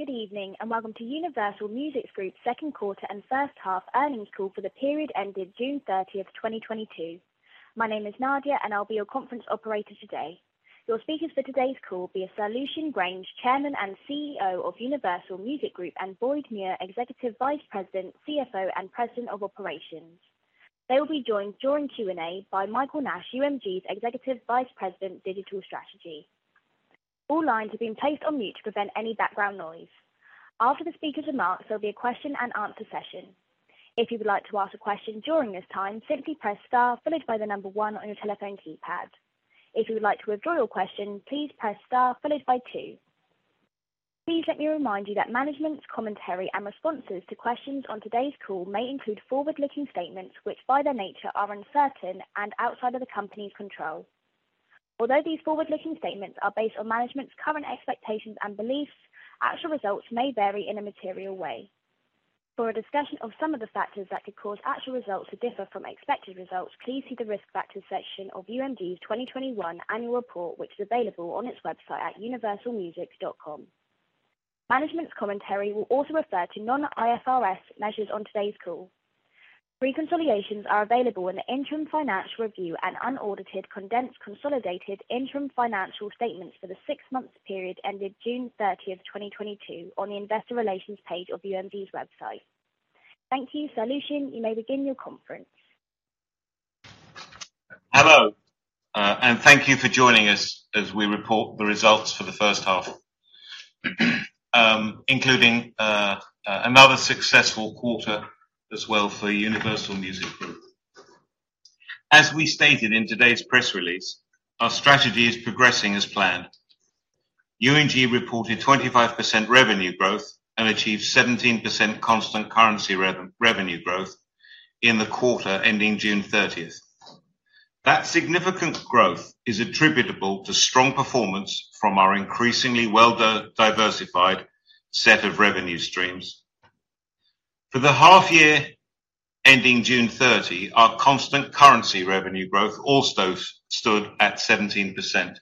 Good evening and welcome to Universal Music Group Second Quarter and First Half Earnings Call for the period ending June 30, 2022. My name is Nadia and I'll be your conference operator today. Your speakers for today's call will be Lucian Grainge; Chairman and CEO of Universal Music Group and Boyd Muir; Executive Vice President, CFO, and President of Operations. They will be joined during Q&A by Michael Nash; UMG's Executive Vice President, Digital Strategy. All lines have been placed on mute to prevent any background noise. After the speakers' remarks, there'll be a question-and-answer session. If you would like to ask a question during this time, simply press star followed by the number one on your telephone keypad. If you would like to withdraw your question, please press star followed by two. Please let me remind you that management's commentary and responses to questions on today's call may include forward-looking statements which, by their nature are uncertain and outside of the company's control. Although these forward-looking statements are based on management's current expectations and beliefs, actual results may vary in a material way. For a discussion of some of the factors that could cause actual results to differ from expected results, please see the Risk Factors section of UMG's 2021 annual report which is available on its website at universalmusic.com. Management's commentary will also refer to non-IFRS measures on today's call. Reconciliations are available in the interim financial review and unaudited condensed consolidated interim financial statements for the six-month period ending June 30, 2022 on the investor relations page of UMG's website, thank you. Lucian, you may begin your conference. Hello, thank you for joining us as we report the results for the first half, including another successful quarter as well for Universal Music Group. As we stated in today's press release, our strategy is progressing as planned. UMG reported 25% revenue growth and achieved 17% constant-currency revenue growth in the quarter ending June 30, 2022. That significant growth is attributable to strong performance from our increasingly well-diversified set of revenue streams. For the half year ending June 30, 2022 our constant-currency revenue growth also stood at 17%.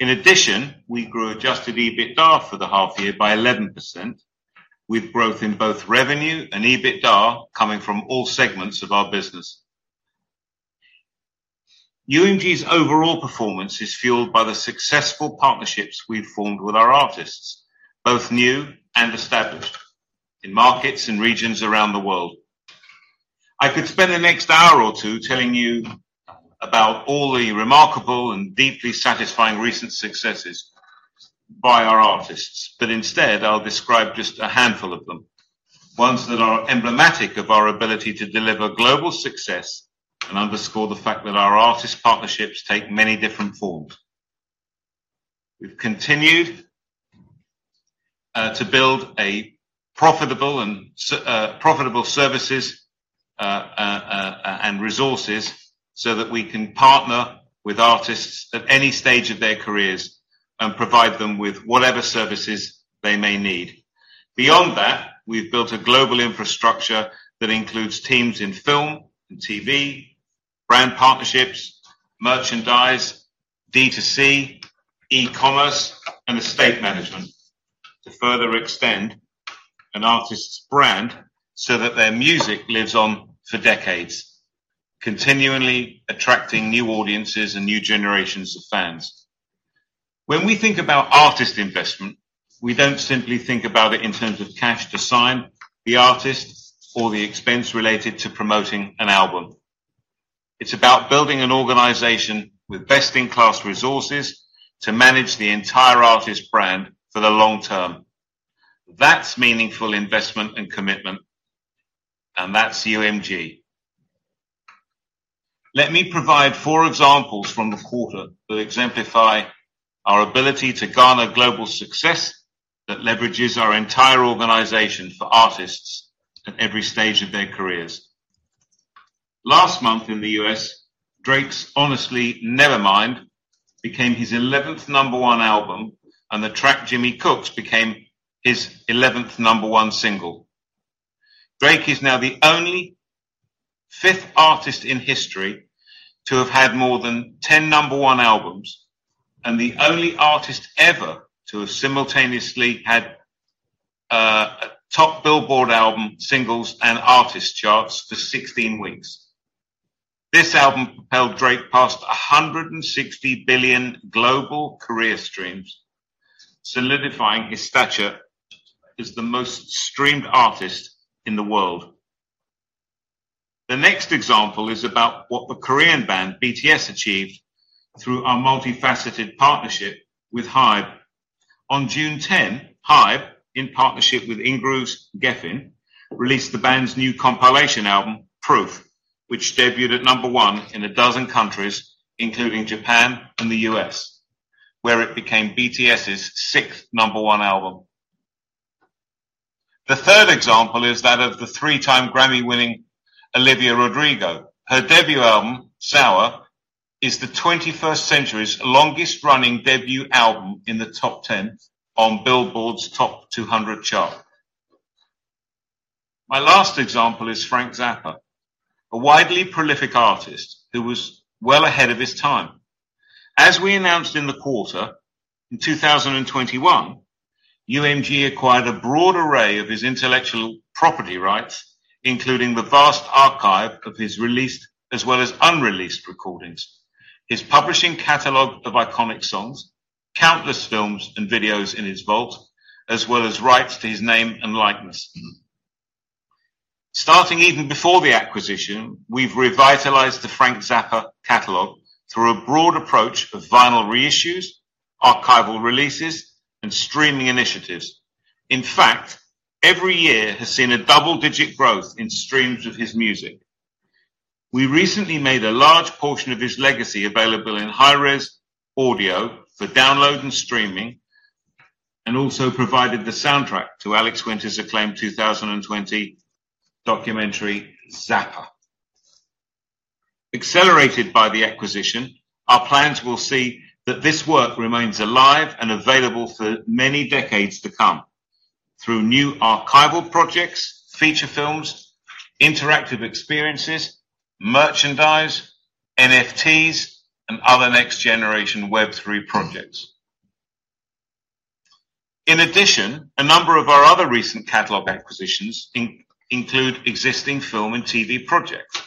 In addition, we grew adjusted EBITDA for the half year by 11% with growth in both revenue and EBITDA coming from all segments of our business. UMG's overall performance is fueled by the successful partnerships we've formed with our artists both new and established in markets and regions around the world. I could spend the next hour or two telling you about all the remarkable and deeply satisfying recent successes by our artists but instead, I'll describe just a handful of them, ones that are emblematic of our ability to deliver global success and underscore the fact that our artist partnerships take many different forms. We've continued to build a profitable and scalable services and resources so that we can partner with artists at any stage of their careers and provide them with whatever services they may need. Beyond that, we've built a global infrastructure that includes teams in film and TV, brand partnerships, merchandise, D2C, e-commerce, and estate management to further extend an artist's brand so that their music lives on for decades, continually attracting new audiences and new generations of fans. When we think about artist investment, we don't simply think about it in terms of cash to sign the artist or the expense related to promoting an album. It's about building an organization with best-in-class resources to manage the entire artist brand for the long term. That's meaningful investment and commitment and that's UMG. Let me provide four examples from the quarter that exemplify our ability to garner global success that leverages our entire organization for artists at every stage of their careers. Last month in the U.S., Drake's Honestly, Nevermind became his 11th number one album and the track Jimmy Cooks became his 11th number one single. Drake is now the only fifth artist in history to have had more than 10 number one albums and the only artist ever to have simultaneously had top Billboard album, singles, and artist charts for 16 weeks. This album propelled Drake past 160 billion global career streams, solidifying his stature as the most streamed artist in the world. The next example is about what the Korean band BTS achieved through our multifaceted partnership with Hybe. On June 10, Hybe in partnership with Ingrooves' Geffen, released the band's new compilation album, Proof, which debuted at number one in 12 countries, including Japan and the U.S., where it became BTS' sixth number one album. The third example is that of the three-time Grammy-winning Olivia Rodrigo. Her debut album, Sour, is the 21st century's longest-running debut album in the top 10 on Billboard's top 200 chart. My last example is Frank Zappa, a wildly prolific artist who was well ahead of his time. As we announced in the quarter, in 2021, UMG acquired a broad array of his intellectual property rights including the vast archive of his released as well as unreleased recordings, his publishing catalog of iconic songs, countless films and videos in his vault as well as rights to his name and likeness. Starting even before the acquisition, we've revitalized the Frank Zappa catalog through a broad approach of vinyl reissues, archival releases, and streaming initiatives. In fact, every year has seen a double-digit growth in streams of his music. We recently made a large portion of his legacy available in high-res audio for download and streaming, and also provided the soundtrack to Alex Winter's acclaimed 2020 documentary, Zappa. Accelerated by the acquisition, our plans will see that this work remains alive and available for many decades to come through new archival projects, feature films, interactive experiences, merchandise, NFTs, and other next-generation Web3 projects. In addition, a number of our other recent catalog acquisitions include existing film and TV projects.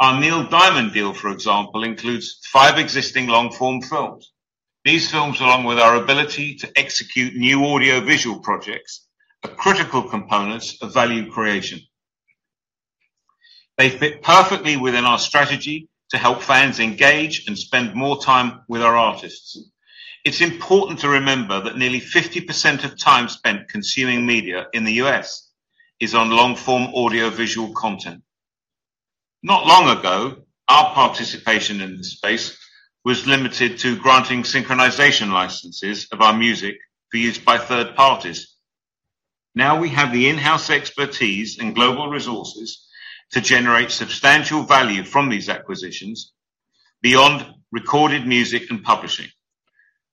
Our Neil Diamond deal, for example, includes five existing long-form films. These films along with our ability to execute new audiovisual projects are critical components of value creation. They fit perfectly within our strategy to help fans engage and spend more time with our artists. It's important to remember that nearly 50% of time spent consuming media in the U.S. is on long-form audiovisual content. Not long ago, our participation in this space was limited to granting synchronization licenses of our music for use by third parties. Now we have the in-house expertise and global resources to generate substantial value from these acquisitions beyond recorded music and publishing.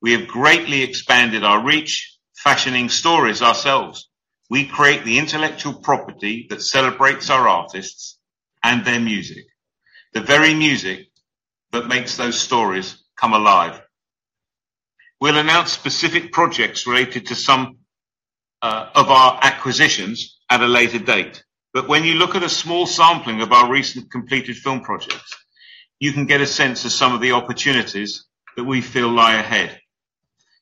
We have greatly expanded our reach, fashioning stories ourselves. We create the intellectual property that celebrates our artists and their music, the very music that makes those stories come alive. We'll announce specific projects related to some of our acquisitions at a later date. When you look at a small sampling of our recent completed film projects, you can get a sense of some of the opportunities that we feel lie ahead.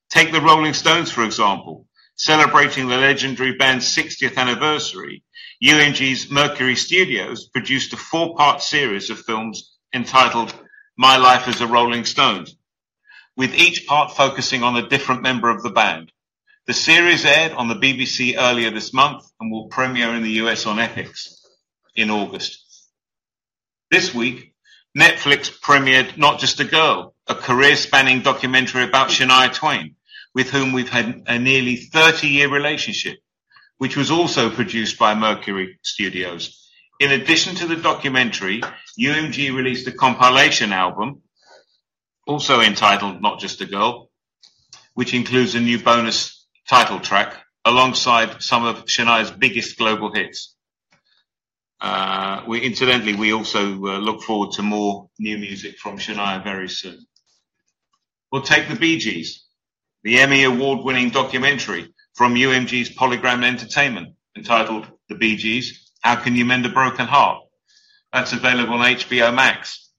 Take The Rolling Stones, for example. Celebrating the legendary band's 60th anniversary, UMG's Mercury Studios produced a four-part series of films entitled My Life as a Rolling Stone with each part focusing on a different member of the band. The series aired on the BBC earlier this month and will premiere in the U.S. on Netflix in August. This week, Netflix premiered Not Just a Girl, a career-spanning documentary about Shania Twain with whom we've had a nearly 30-year relationship which was also produced by Mercury Studios. In addition to the documentary, UMG released a compilation album also entitled Not Just a Girl which includes a new bonus title track alongside some of Shania's biggest global hits. Incidentally, we also look forward to more new music from Shania very soon. Take the Bee Gees, the Emmy Award-winning documentary from UMG's Polygram Entertainment entitled The Bee Gees: How Can You Mend a Broken Heart? That's available on HBO Max.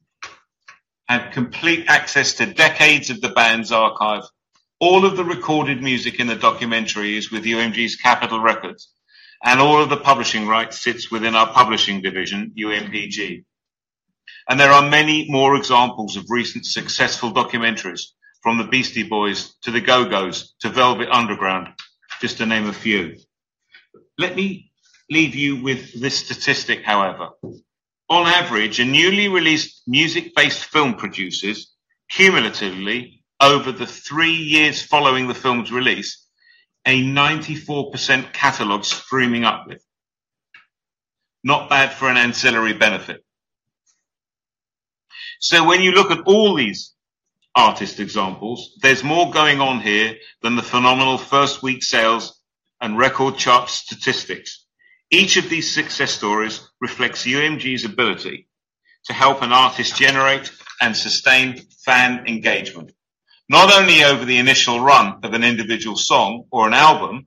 Had complete access to decades of the band's archive, all of the recorded music in the documentary is with UMG's Capitol Records and all of the publishing rights sits within our publishing division, UMPG. There are many more examples of recent successful documentaries from the Beastie Boys to The Go-Go's to Velvet Underground just to name a few. Let me leave you with this statistic, however. On average, a newly released music-based film produces, cumulatively, over the three years following the film's release, a 94% catalog streaming uplift. Not bad for an ancillary benefit. When you look at all these artist examples, there's more going on here than the phenomenal first-week sales and record chart statistics. Each of these success stories reflects UMG's ability to help an artist generate and sustain fan engagement not only over the initial run of an individual song or an album.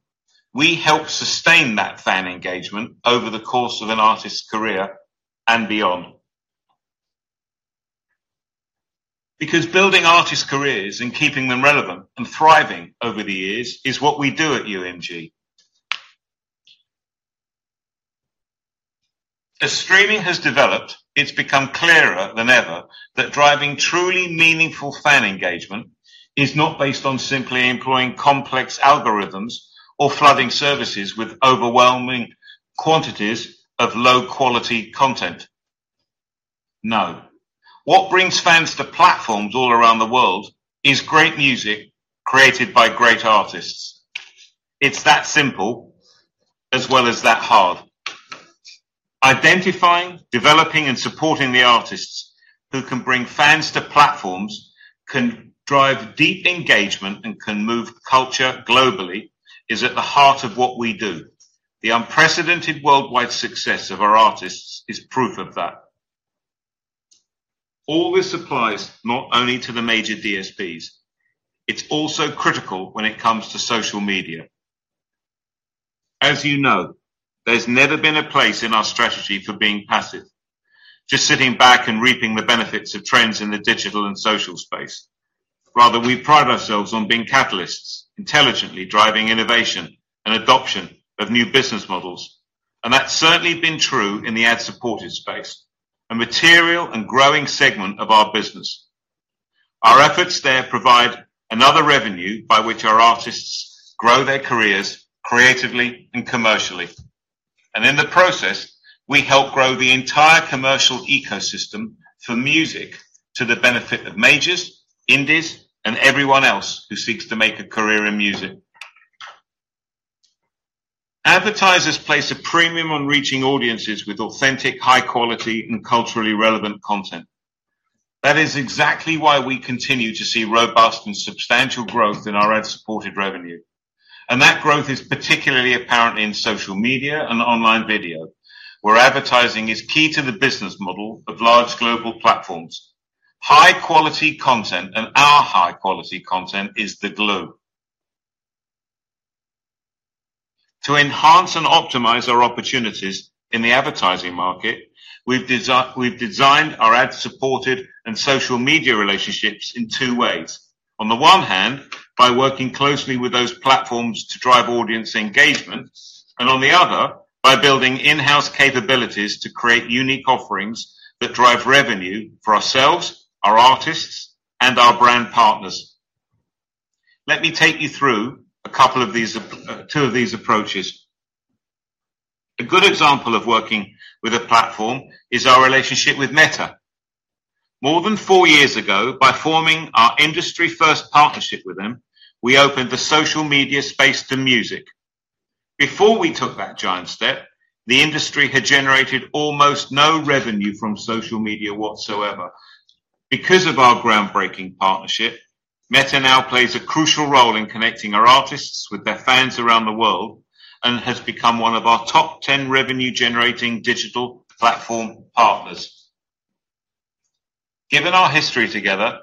We help sustain that fan engagement over the course of an artist's career and beyond. Because building artists' careers and keeping them relevant and thriving over the years is what we do at UMG. As streaming has developed, it's become clearer than ever that driving truly meaningful fan engagement is not based on simply employing complex algorithms or flooding services with overwhelming quantities of low-quality content. No, what brings fans to platforms all around the world is great music created by great artists. It's that simple as well as that hard. Identifying, developing, and supporting the artists who can bring fans to platforms can drive deep engagement and can move culture globally is at the heart of what we do. The unprecedented worldwide success of our artists is proof of that. All this applies not only to the major DSPs it's also critical when it comes to social media. As you know, there's never been a place in our strategy for being passive, just sitting back and reaping the benefits of trends in the digital and social space. Rather, we pride ourselves on being catalysts, intelligently driving innovation and adoption of new business models and that's certainly been true in the ad-supported space, a material and growing segment of our business. Our efforts there provide another revenue by which our artists grow their careers creatively and commercially. In the process, we help grow the entire commercial ecosystem for music to the benefit of majors, indies, and everyone else who seeks to make a career in music. Advertisers place a premium on reaching audiences with authentic, high quality, and culturally relevant content. That is exactly why we continue to see robust and substantial growth in our ad-supported revenue. That growth is particularly apparent in social media and online video, where advertising is key to the business model of large global platforms. High-quality content and our high-quality content is the glue. To enhance and optimize our opportunities in the advertising market, we've designed our ad-supported and social media relationships in two ways. On the one hand, by working closely with those platforms to drive audience engagement and on the other, by building in-house capabilities to create unique offerings that drive revenue for ourselves, our artists, and our brand partners. Let me take you through a two of these approaches. A good example of working with a platform is our relationship with Meta. More than four years ago, by forming our industry-first partnership with them, we opened the social media space to music. Before we took that giant step, the industry had generated almost no revenue from social media whatsoever. Because of our groundbreaking partnership, Meta now plays a crucial role in connecting our artists with their fans around the world and has become one of our top 10 revenue-generating digital platform partners. Given our history together,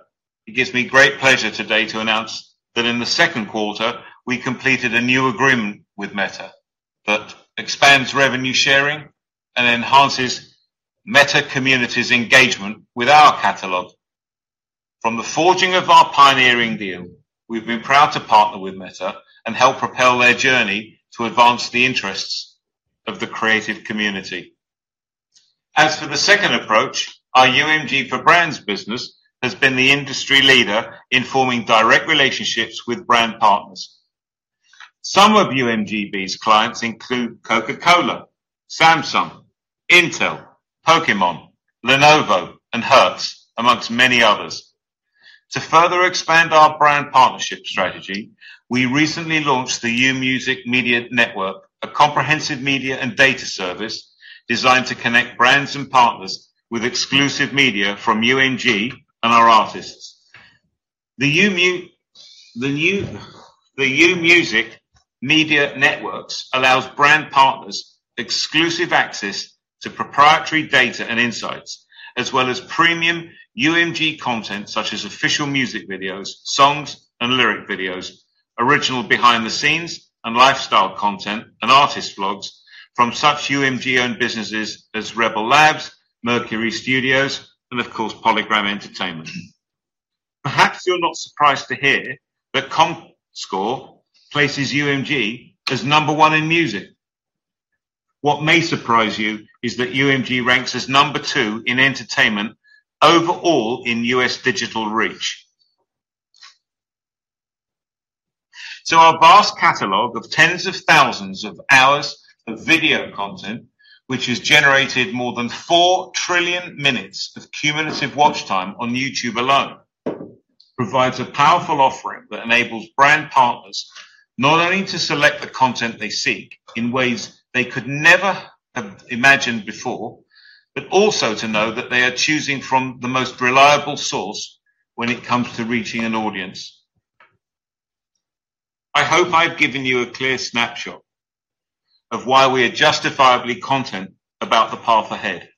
it gives me great pleasure today to announce that in the second quarter, we completed a new agreement with Meta that expands revenue sharing and enhances Meta community's engagement with our catalog. From the forging of our pioneering deal, we've been proud to partner with Meta and help propel their journey to advance the interests of the creative community. As for the second approach, our UMG for Brands business has been the industry leader in forming direct relationships with brand partners. Some of UMGB's clients include Coca-Cola, Samsung, Intel, Pokémon, Lenovo, and Hertz, among many others. To further expand our brand partnership strategy, we recently launched the UMusic Media Network, a comprehensive media and data service designed to connect brands and partners with exclusive media from UMG and our artists. The UMusic Media Network allows brand partners exclusive access to proprietary data and insights as well as premium UMG content such as official music videos, songs, and lyric videos, original behind-the-scenes and lifestyle content, and artist vlogs from such UMG-owned businesses as Rebel Labs, Mercury Studios, and of course, Polygram Entertainment. Perhaps you're not surprised to hear that Comscore places UMG as number one in music. What may surprise you is that UMG ranks as number 2 in entertainment overall in U.S. digital reach. Our vast catalog of tens of thousands of hours of video content which has generated more than 4 trillion minutes of cumulative watch time on YouTube alone, provides a powerful offering that enables brand partners not only to select the content they seek in ways they could never have imagined before but also to know that they are choosing from the most reliable source when it comes to reaching an audience. I hope I've given you a clear snapshot of why we are justifiably content about the path ahead.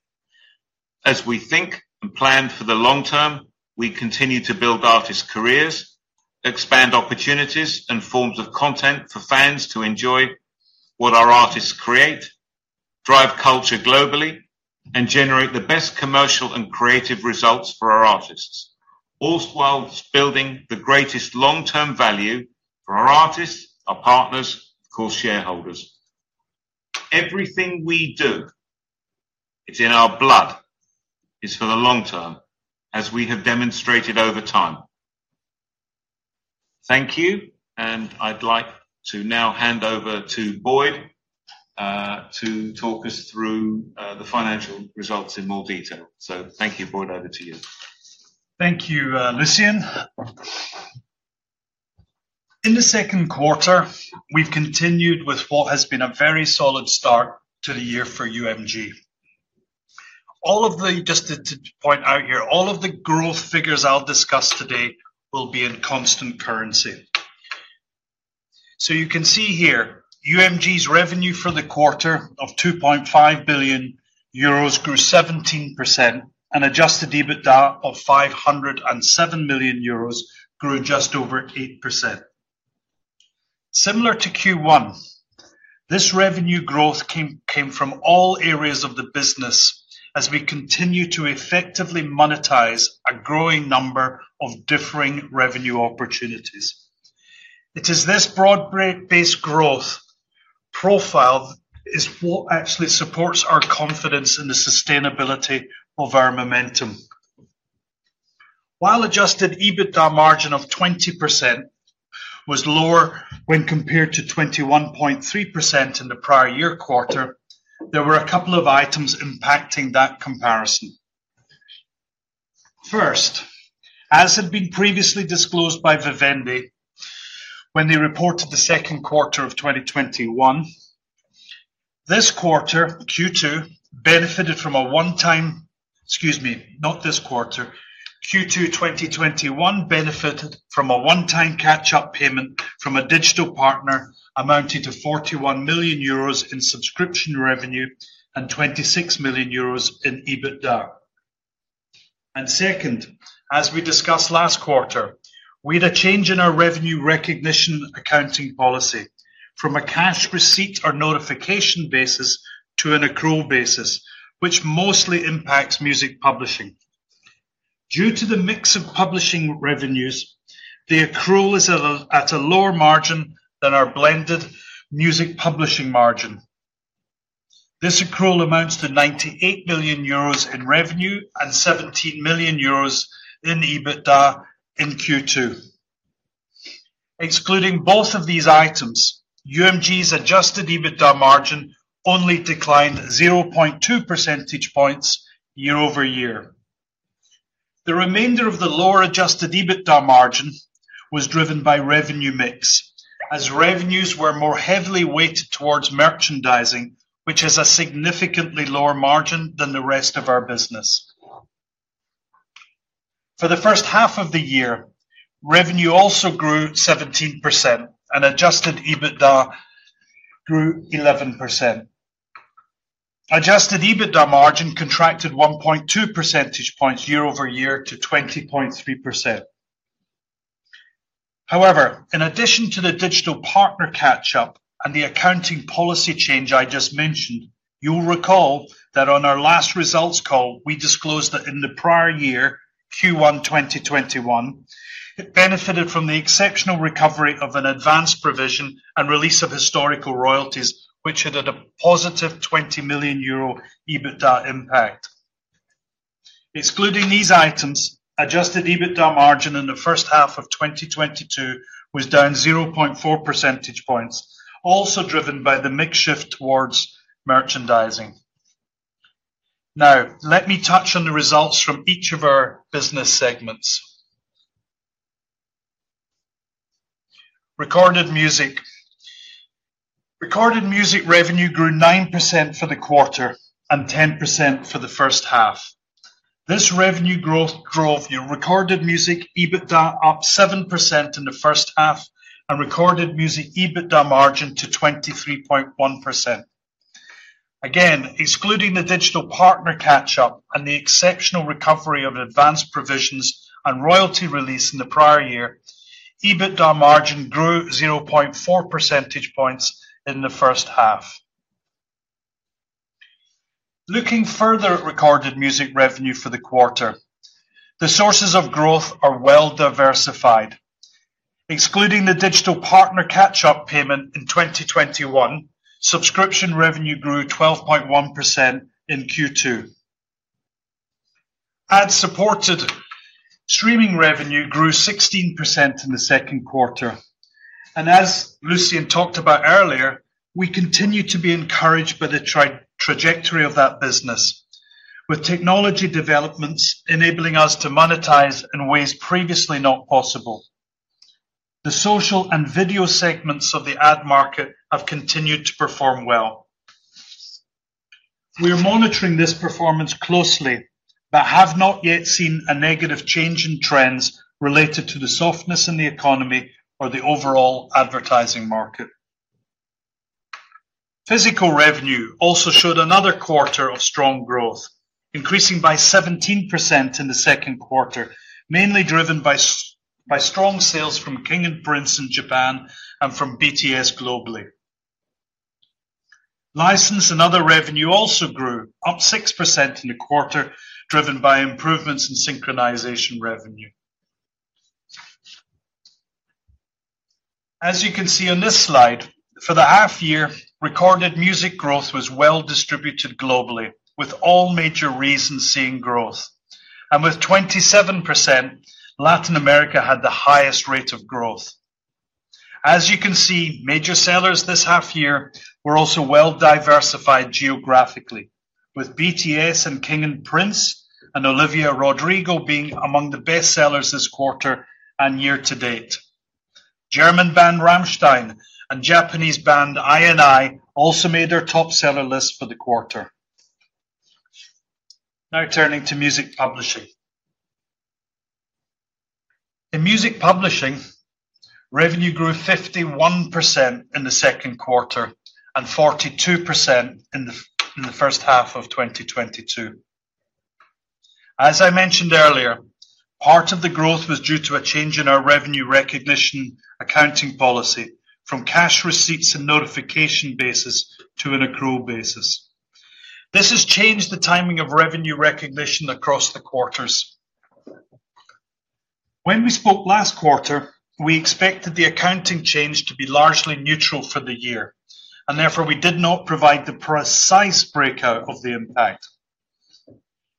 As we think and plan for the long term, we continue to build artists' careers, expand opportunities, and forms of content for fans to enjoy what our artists create, drive culture globally, and generate the best commercial and creative results for our artists, all while building the greatest long-term value for our artists, our partners, of course shareholders. Everything we do, it's in our blood, is for the long term, as we have demonstrated over time. Thank you and I'd like to now hand over to Boyd, to talk us through the financial results in more detail, thank you. Boyd, over to you. Thank you Lucian. In the second quarter, we've continued with what has been a very solid start to the year for UMG. Just to point out here, all of the growth figures I'll discuss today will be in constant currency. So you can see here UMG's revenue for the quarter of 2.5 billion euros grew 17% and adjusted EBITDA of 507 million euros grew just over 8%. Similar to Q1, this revenue growth came from all areas of the business as we continue to effectively monetize a growing number of differing revenue opportunities. It is this broad-based growth profile is what actually supports our confidence in the sustainability of our momentum. While adjusted EBITDA margin of 20% was lower when compared to 21.3% in the prior year quarter, there were a couple of items impacting that comparison. First, as had been previously disclosed by Vivendi when they reported the second quarter of 2021, Q2 2021 benefited from a one-time catch-up payment from a digital partner amounting to 41 million euros in subscription revenue and 26 million euros in EBITDA. Second, as we discussed last quarter, we had a change in our revenue recognition accounting policy from a cash receipt or notification basis to an accrual basis which mostly impacts music publishing. Due to the mix of publishing revenues, the accrual is at a lower margin than our blended music publishing margin. This accrual amounts to 98 million euros in revenue and 17 million euros in EBITDA in Q2. Excluding both of these items, UMG's adjusted EBITDA margin only declined 0.2 percentage points year-over-year. The remainder of the lower adjusted EBITDA margin was driven by revenue mix, as revenues were more heavily weighted towards merchandising which has a significantly lower margin than the rest of our business. For the first half of the year, revenue also grew 17% and adjusted EBITDA grew 11%. Adjusted EBITDA margin contracted 1.2 percentage points year-over-year to 20.3%. However, in addition to the digital partner catch up and the accounting policy change I just mentioned, you'll recall that on our last results call, we disclosed that in the prior year Q1 2021, it benefited from the exceptional recovery of an advanced provision and release of historical royalties which had had a positive 20 million euro EBITDA impact. Excluding these items, adjusted EBITDA margin in the first half of 2022 was down 0.4 percentage points also driven by the mix shift towards merchandising. Now, let me touch on the results from each of our business segments. Recorded music. Recorded music revenue grew 9% for the quarter and 10% for the first half. This revenue growth drove recorded music EBITDA up 7% in the first half and recorded music EBITDA margin to 23.1%. Again, excluding the digital partner catch up and the exceptional recovery of advanced provisions and royalty release in the prior year, EBITDA margin grew 0.4 percentage points in the first half. Looking further at recorded music revenue for the quarter, the sources of growth are well diversified. Excluding the digital partner catch up payment in 2021, subscription revenue grew 12.1% in Q2. Ad-supported streaming revenue grew 16% in the second quarter. As Lucian talked about earlier, we continue to be encouraged by the trajectory of that business. With technology developments enabling us to monetize in ways previously not possible. The social and video segments of the ad market have continued to perform well. We are monitoring this performance closely but have not yet seen a negative change in trends related to the softness in the economy or the overall advertising market. Physical revenue also showed another quarter of strong growth, increasing by 17% in the second quarter, mainly driven by strong sales from King & Prince in Japan and from BTS globally. License and other revenue also grew, up 6% in the quarter driven by improvements in synchronization revenue. As you can see on this slide, for the half year, recorded music growth was well distributed globally with all major regions seeing growth. With 27%, Latin America had the highest rate of growth. As you can see, major sellers this half year were also well diversified geographically. With BTS and King & Prince and Olivia Rodrigo being among the best sellers this quarter and year to date. German band Rammstein and Japanese band INI also made their top seller list for the quarter. Now turning to music publishing. In music publishing, revenue grew 51% in the second quarter and 42% in the first half of 2022. As I mentioned earlier, part of the growth was due to a change in our revenue recognition accounting policy from cash receipts and notification basis to an accrual basis. This has changed the timing of revenue recognition across the quarters. When we spoke last quarter, we expected the accounting change to be largely neutral for the year and therefore, we did not provide the precise breakout of the impact.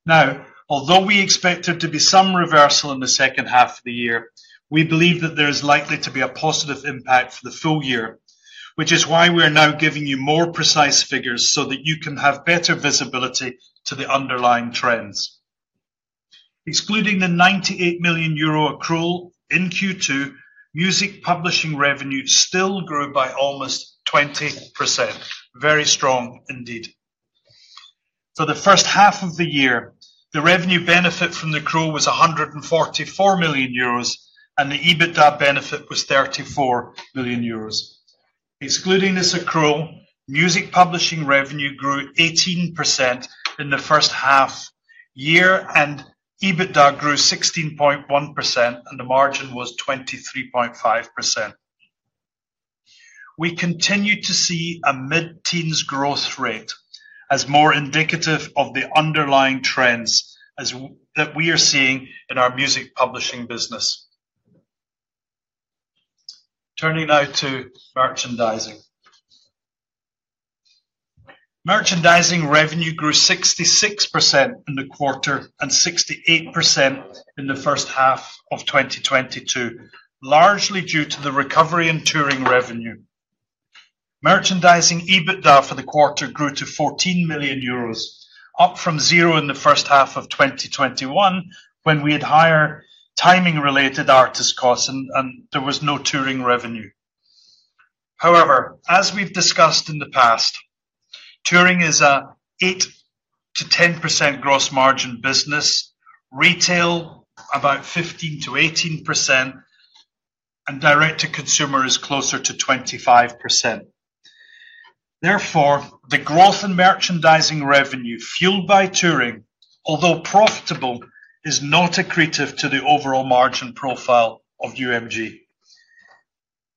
Now, although we expect there to be some reversal in the second half of the year, we believe that there is likely to be a positive impact for the full year which is why we're now giving you more precise figures so that you can have better visibility to the underlying trends. Excluding the 98 million euro accrual in Q2, music publishing revenue still grew by almost 20%. Very strong indeed. For the first half of the year, the revenue benefit from the accrual was 144 million euros and the EBITDA benefit was 34 million euros. Excluding this accrual, music publishing revenue grew 18% in the first half year and EBITDA grew 16.1% and the margin was 23.5%. We continue to see a mid-teens growth rate as more indicative of the underlying trends that we are seeing in our music publishing business. Turning now to merchandising. Merchandising revenue grew 66% in the quarter and 68% in the first half of 2022, largely due to the recovery in touring revenue. Merchandising EBITDA for the quarter grew to 14 million euros up from 0 in the first half of 2021 when we had higher timing-related artist costs and there was no touring revenue. However, as we've discussed in the past, touring is a 8%-10% gross margin business, retail about 15%-18%, and direct-to-consumer is closer to 25%. Therefore, the growth in merchandising revenue fueled by touring, although profitable is not accretive to the overall margin profile of UMG.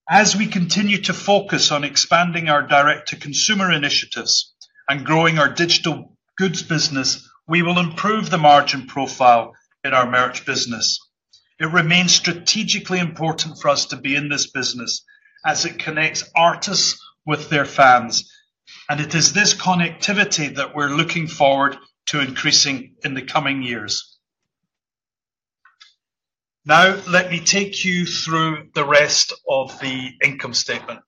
As we continue to focus on expanding our direct-to-consumer initiatives and growing our digital goods business, we will improve the margin profile in our merch business. It remains strategically important for us to be in this business as it connects artists with their fans and it is this connectivity that we're looking forward to increasing in the coming years. Now, let me take you through the rest of the income statement.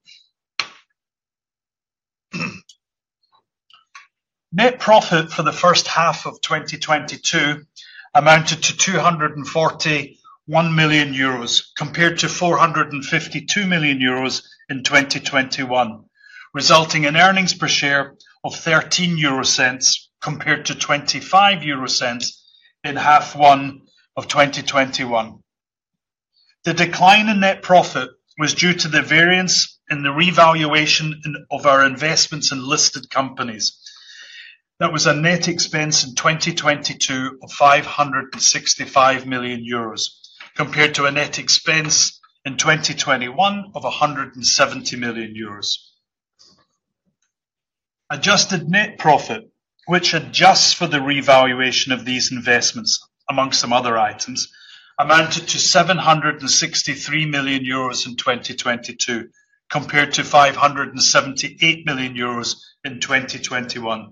Net profit for the first half of 2022 amounted to 241 million euros compared to 452 million euros in 2021 resulting in earnings per share of 0.13 compared to 0.25 in half one of 2021. The decline in net profit was due to the variance in the revaluation of our investments in listed companies. That was a net expense in 2022 of 565 million euros compared to a net expense in 2021 of 170 million euros. Adjusted net profit which adjusts for the revaluation of these investments, among some other items, amounted to 763 million euros in 2022 compared to 578 million euros in 2021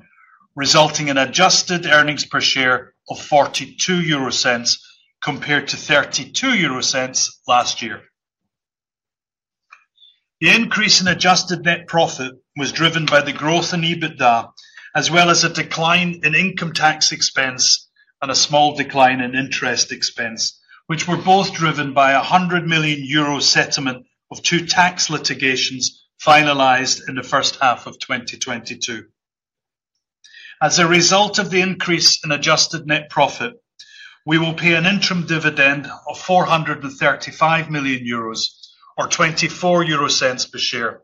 resulting in adjusted earnings per share of 0.42 compared to 0.32 last year. The increase in adjusted net profit was driven by the growth in EBITDA as well as a decline in income tax expense and a small decline in interest expense which were both driven by a 100 million euro settlement of two tax litigations finalized in the first half of 2022. As a result of the increase in adjusted net profit, we will pay an interim dividend of 435 million euros or 0.24 per share,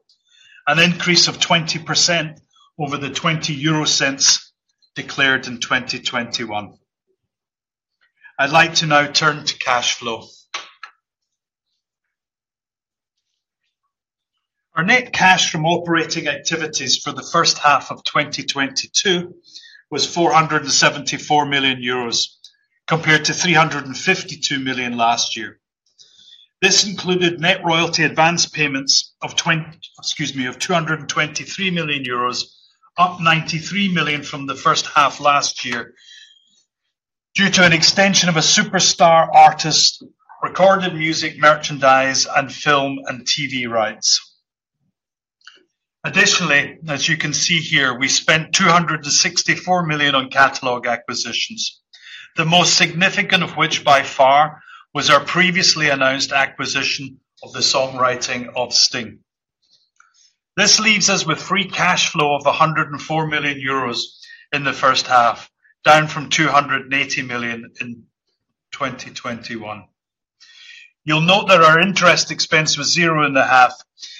an increase of 20% over the 0.20 declared in 2021. I'd like to now turn to cash flow. Our net cash from operating activities for the first half of 2022 was 474 million euros compared to 352 million last year. This included net royalty advance payments of 223 million euros, up 93 million from the first half last year. Due to an extension of a superstar artist, recorded music, merchandise, and film and TV rights. Additionally, as you can see here we spent 264 million on catalog acquisitions. The most significant of which by far was our previously announced acquisition of the songwriting of Sting. This leaves us with free cash flow of 104 million euros in the first half down from 280 million in 2021. You'll note that our interest expense was zero in the half.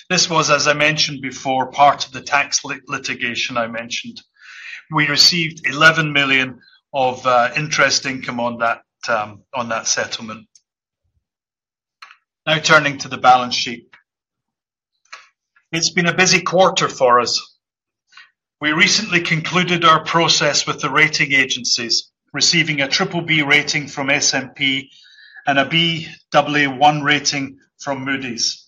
This was, as I mentioned before, part of the tax litigation I mentioned. We received 11 million of interest income on that settlement. Now, turning to the balance sheet. It's been a busy quarter for us. We recently concluded our process with the rating agencies, receiving a BBB rating from S&P and a Baa1 rating from Moody's.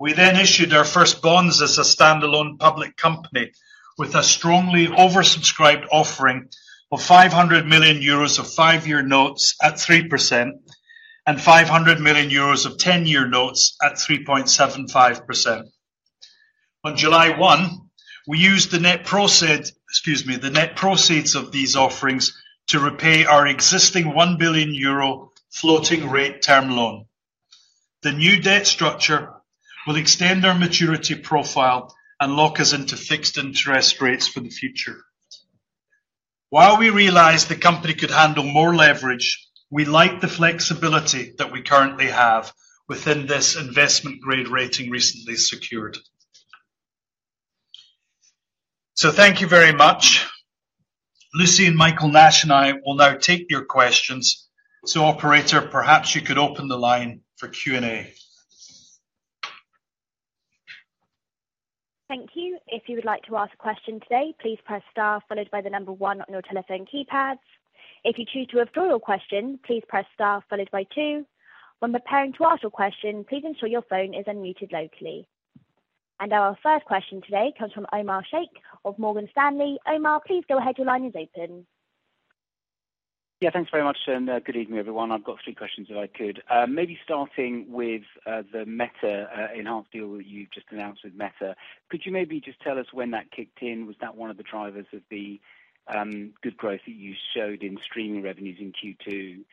We then issued our first bonds as a standalone public company with a strongly oversubscribed offering of 500 million euros of five-year notes at 3% and 500 million euros of 10-year notes at 3.75%. On July 1, we used the net proceeds of these offerings to repay our existing 1 billion euro floating rate term loan. The new debt structure will extend our maturity profile and lock us into fixed interest rates for the future. While we realize the company could handle more leverage, we like the flexibility that we currently have within this investment grade rating recently secured, thank you very much. Lucian, Michael Nash, and I will now take your questions. Operator, perhaps you could open the line for Q&A. Thank you. If you would like to ask a question today, please press star followed by the number one on your telephone keypads. If you choose to withdraw your question, please press star followed by two. When preparing to ask your question, please ensure your phone is unmuted locally. Our first question today comes from Omar Sheikh of Morgan Stanley. Omar please go ahead. Your line is open. Yeah, thanks very much and good evening everyone. I've got three questions, if I could. Maybe starting with the Meta enhanced deal that you've just announced with Meta. Could you maybe just tell us when that kicked in? Was that one of the drivers of the good growth that you showed in streaming revenues in Q2?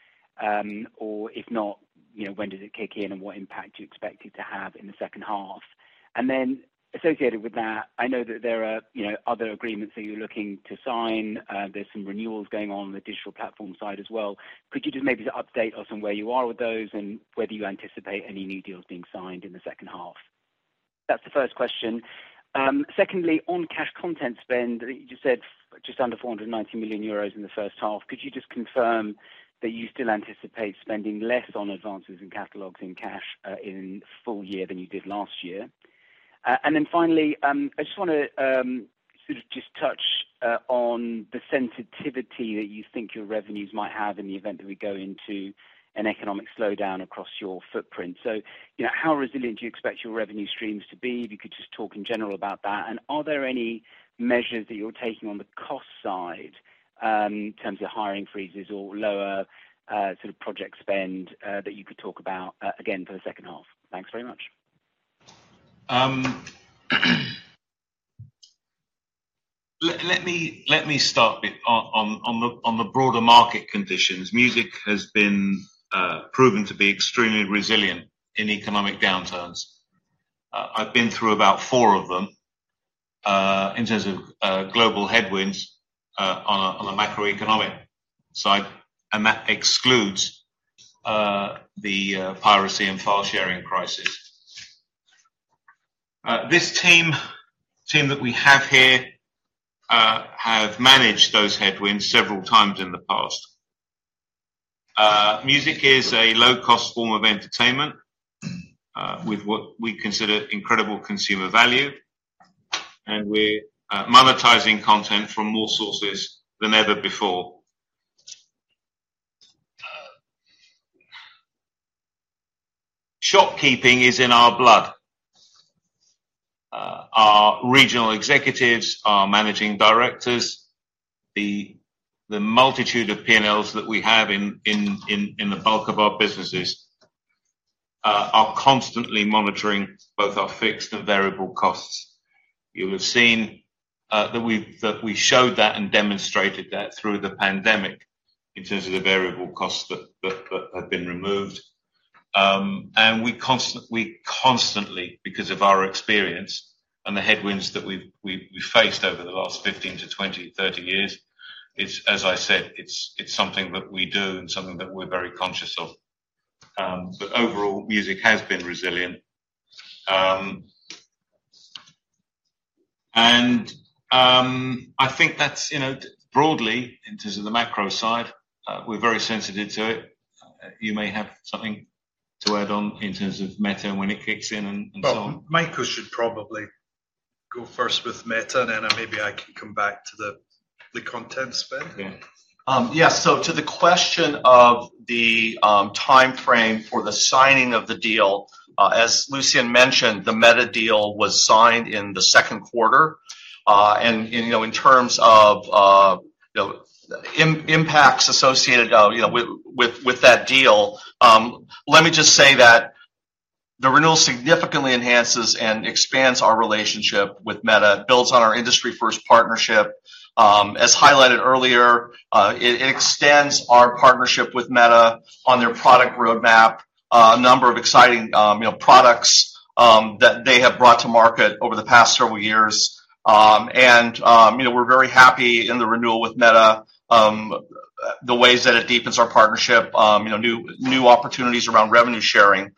If not, you know, when does it kick in and what impact do you expect it to have in the second half? Associated with that, I know that there are, you know, other agreements that you're looking to sign. There's some renewals going on on the digital platform side as well. Could you just maybe update us on where you are with those and whether you anticipate any new deals being signed in the second half? That's the first question. Second, on cash content spend, you said just under 490 million euros in the first half. Could you just confirm that you still anticipate spending less on advances and catalogs in cash in full year than you did last year? Then finally, I just wanna sort of just touch on the sensitivity that you think your revenues might have in the event that we go into an economic slowdown across your footprint. You know, how resilient do you expect your revenue streams to be? If you could just talk in general about that. Are there any measures that you're taking on the cost side in terms of hiring freezes or lower sort of project spend that you could talk about again for the second half? Thanks very much. Let me start with the broader market conditions. Music has been proven to be extremely resilient in economic downturns. I've been through about four of them in terms of global headwinds on a macroeconomic side and that excludes the piracy and file-sharing crisis. This team that we have here have managed those headwinds several times in the past. Music is a low-cost form of entertainment with what we consider incredible consumer value and we're monetizing content from more sources than ever before. Housekeeping is in our blood. Our regional executives, our managing directors, the multitude of P&Ls that we have in the bulk of our businesses are constantly monitoring both our fixed and variable costs. You'll have seen that we showed that and demonstrated that through the pandemic in terms of the variable costs that had been removed. We constantly, because of our experience and the headwinds that we've faced over the last 15 to 20, 30 years, it's as I said, it's something that we do and something that we're very conscious of. Overall, music has been resilient. I think that's you know, broadly in terms of the macro side, we're very sensitive to it. You may have something to add on in terms of Meta and when it kicks in and so on. Michael should probably go first with Meta and then maybe I can come back to the content spend. To the question of the timeframe for the signing of the deal as Lucian mentioned the Meta deal was signed in the second quarter. You know, in terms of the impacts associated, you know, with that deal, let me just say that the renewal significantly enhances and expands our relationship with Meta builds on our industry-first partnership. As highlighted earlier, it extends our partnership with Meta on their product roadmap, a number of exciting, you know, products that they have brought to market over the past several years. You know, we're very happy in the renewal with Meta, the ways that it deepens our partnership, you know, new opportunities around revenue sharing.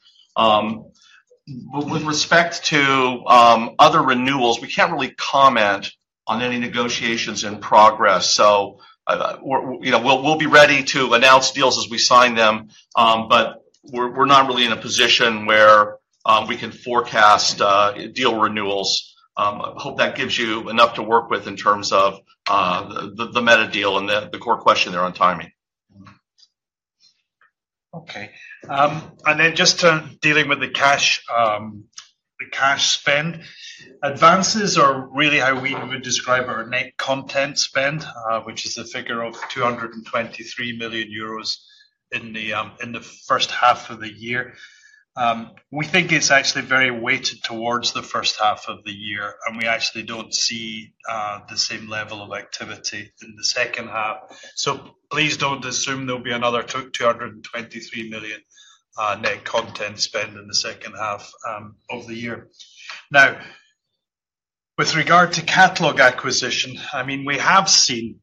With respect to other renewals, we can't really comment on any negotiations in progress. We're, you know, we'll be ready to announce deals as we sign them. We're not really in a position where we can forecast deal renewals. I hope that gives you enough to work with in terms of the Meta deal and the core question there on timing. Okay. Just on dealing with the cash, the cash spend. Advances are really how we would describe our net content spend which is a figure of 223 million euros in the first half of the year. We think it's actually very weighted towards the first half of the year and we actually don't see the same level of activity in the second half. Please don't assume there'll be another 223 million net content spend in the second half of the year. Now, with regard to catalog acquisition, I mean we have seen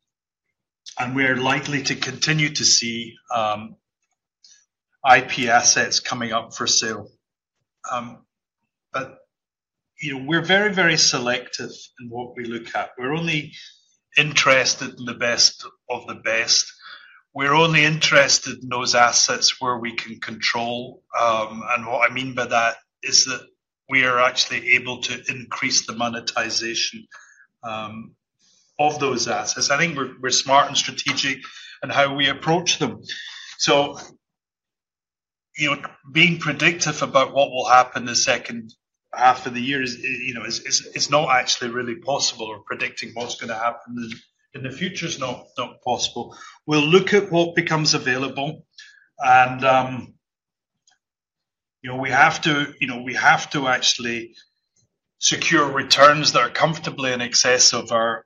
and we're likely to continue to see IP assets coming up for sale. You know, we're very, very selective in what we look at. We're only interested in the best of the best. We're only interested in those assets where we can control and what I mean by that is that we are actually able to increase the monetization of those assets. I think we're smart and strategic in how we approach them. You know, being predictive about what will happen the second half of the year is, you know, not actually really possible or predicting what's gonna happen in the future is not possible. We'll look at what becomes available and you know, we have to you know, actually secure returns that are comfortably in excess of our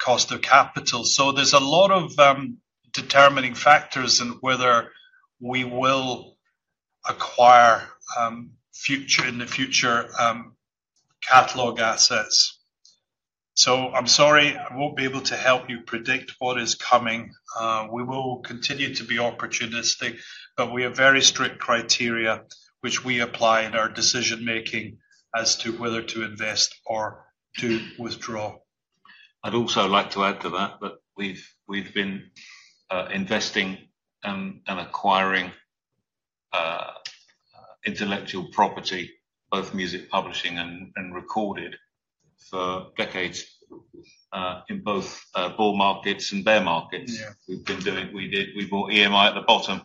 cost of capital. There's a lot of determining factors in whether we will acquire in the future catalog assets. \I'm sorry I won't be able to help you predict what is coming. We will continue to be opportunistic, but we have very strict criteria which we apply in our decision-making as to whether to invest or to withdraw. I'd also like to add to that we've been investing and acquiring intellectual property both music publishing and recorded for decades in both bull markets and bear markets. Yeah. We bought EMI at the bottom.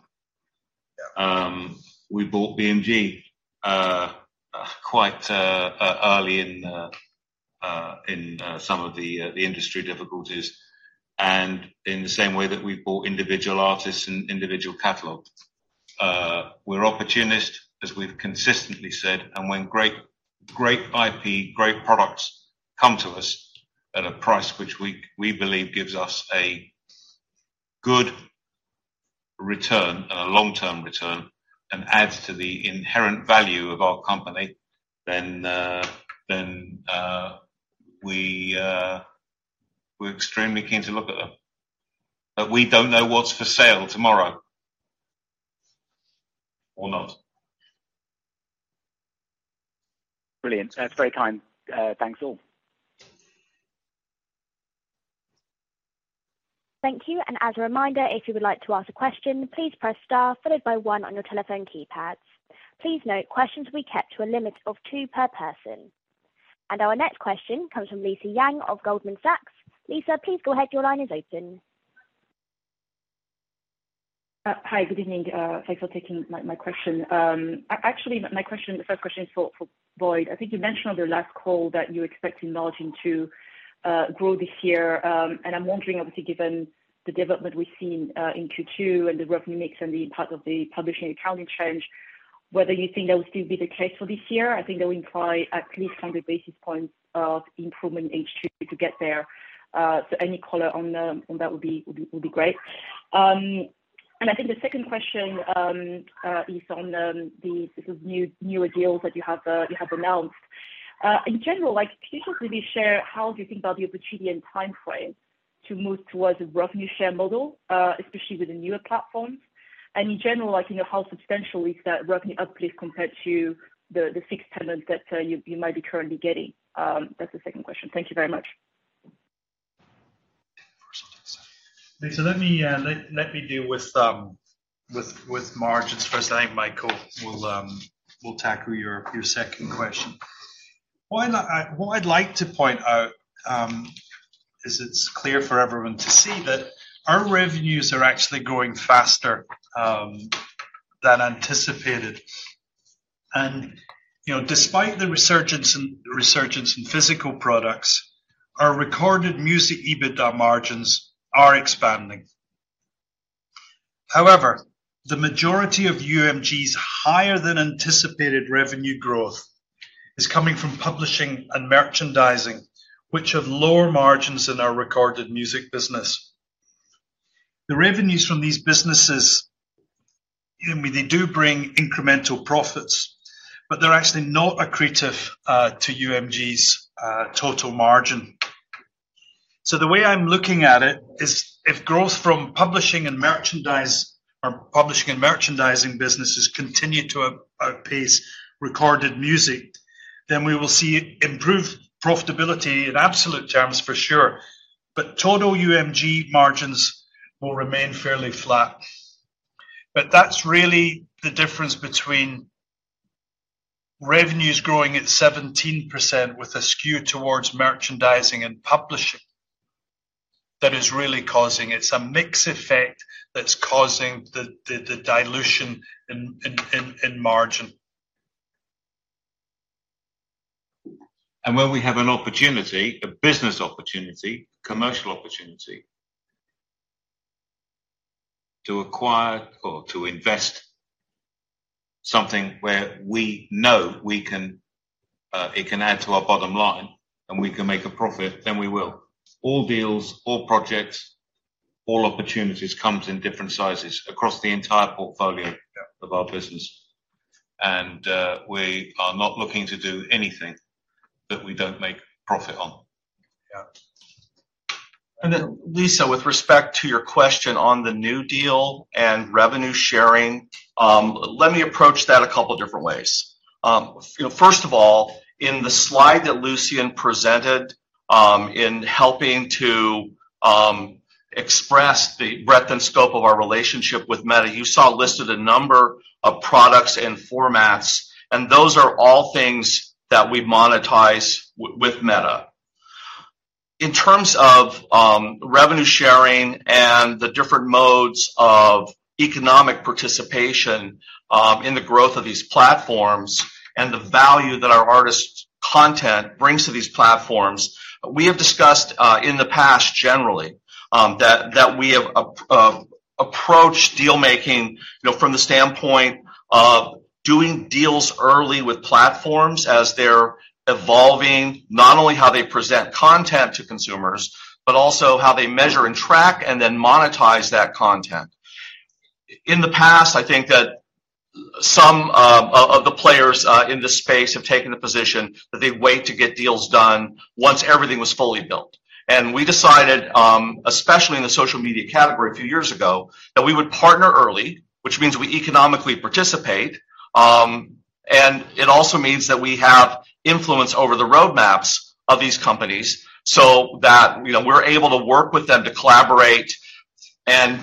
Yeah. We bought BMG quite early in some of the industry difficulties. In the same way that we bought individual artists and individual catalogs. We're opportunistic, as we've consistently said and when great IP, great products come to us at a price which we believe gives us a good return and a long-term return and adds to the inherent value of our company then we're extremely keen to look at them. We don't know what's for sale tomorrow or not. Brilliant, that's very kind. Thanks all. Thank you and as a reminder, if you would like to ask a question please, press star followed by one on your telephone keypads. Please note questions will be kept to a limit of two per person. Our next question comes from Lisa Yang of Goldman Sachs. Lisa please go ahead. Your line is open. Hi. Good evening, thanks for taking my question. Actually, my first question is for Boyd. I think you mentioned on the last call that you're expecting margin to grow this year. I'm wondering, obviously given the development we've seen in Q2 and the revenue mix and the impact of the publishing accounting change whether you think that would still be the case for this year. I think that would imply at least 100 basis points of improvement in H2 to get there. Any color on that would be great. I think the second question is on the sort of newer deals that you have announced. In general, like can you just maybe share how do you think about the opportunity and timeframe to move towards a revenue share model especially with the newer platforms? In general, like you know, how substantial is that revenue uplift compared to the fixed payment that you might be currently getting? That's the second question. Thank you very much. Lisa, let me deal with margins first. I think Michael will tackle your second question. What I'd like to point out is it's clear for everyone to see that our revenues are actually growing faster than anticipated. You know, despite the resurgence in physical products, our recorded music EBITDA margins are expanding. However, the majority of UMG's higher than anticipated revenue growth is coming from publishing and merchandising which have lower margins than our recorded music business. The revenues from these businesses, I mean they do bring incremental profits but they're actually not accretive to UMG's total margin. The way I'm looking at it is if growth from publishing and merchandising businesses continue to outpace recorded music, then we will see improved profitability in absolute terms for sure, but total UMG margins will remain fairly flat. That's really the difference between revenues growing at 17% with a skew towards merchandising and publishing that is really causing it. It's a mix effect that's causing the dilution in margin. When we have an opportunity, a business opportunity, commercial opportunity to acquire or to invest something where we know we can, it can add to our bottom line and we can make a profit then we will. All deals, all projects, all opportunities comes in different sizes across the entire portfolio— Yeah. of our business. We are not looking to do anything that we don't make profit on. Yeah. Lisa, with respect to your question on the new deal and revenue sharing, let me approach that a couple different ways. You know, first of all, in the slide that Lucian presented in helping to express the breadth and scope of our relationship with Meta, you saw listed a number of products and formats and those are all things that we monetize with Meta. In terms of revenue sharing and the different modes of economic participation in the growth of these platforms and the value that our artists' content brings to these platforms, we have discussed in the past generally that we have approached deal making, you know, from the standpoint of doing deals early with platforms as they're evolving not only how they present content to consumers, but also how they measure and track and then monetize that content. In the past, I think that some of the players in this space have taken the position that they wait to get deals done once everything was fully built. We decided, especially in the social media category a few years ago that we would partner early, which means we economically participate and it also means that we have influence over the roadmaps of these companies so that, you know, we're able to work with them to collaborate and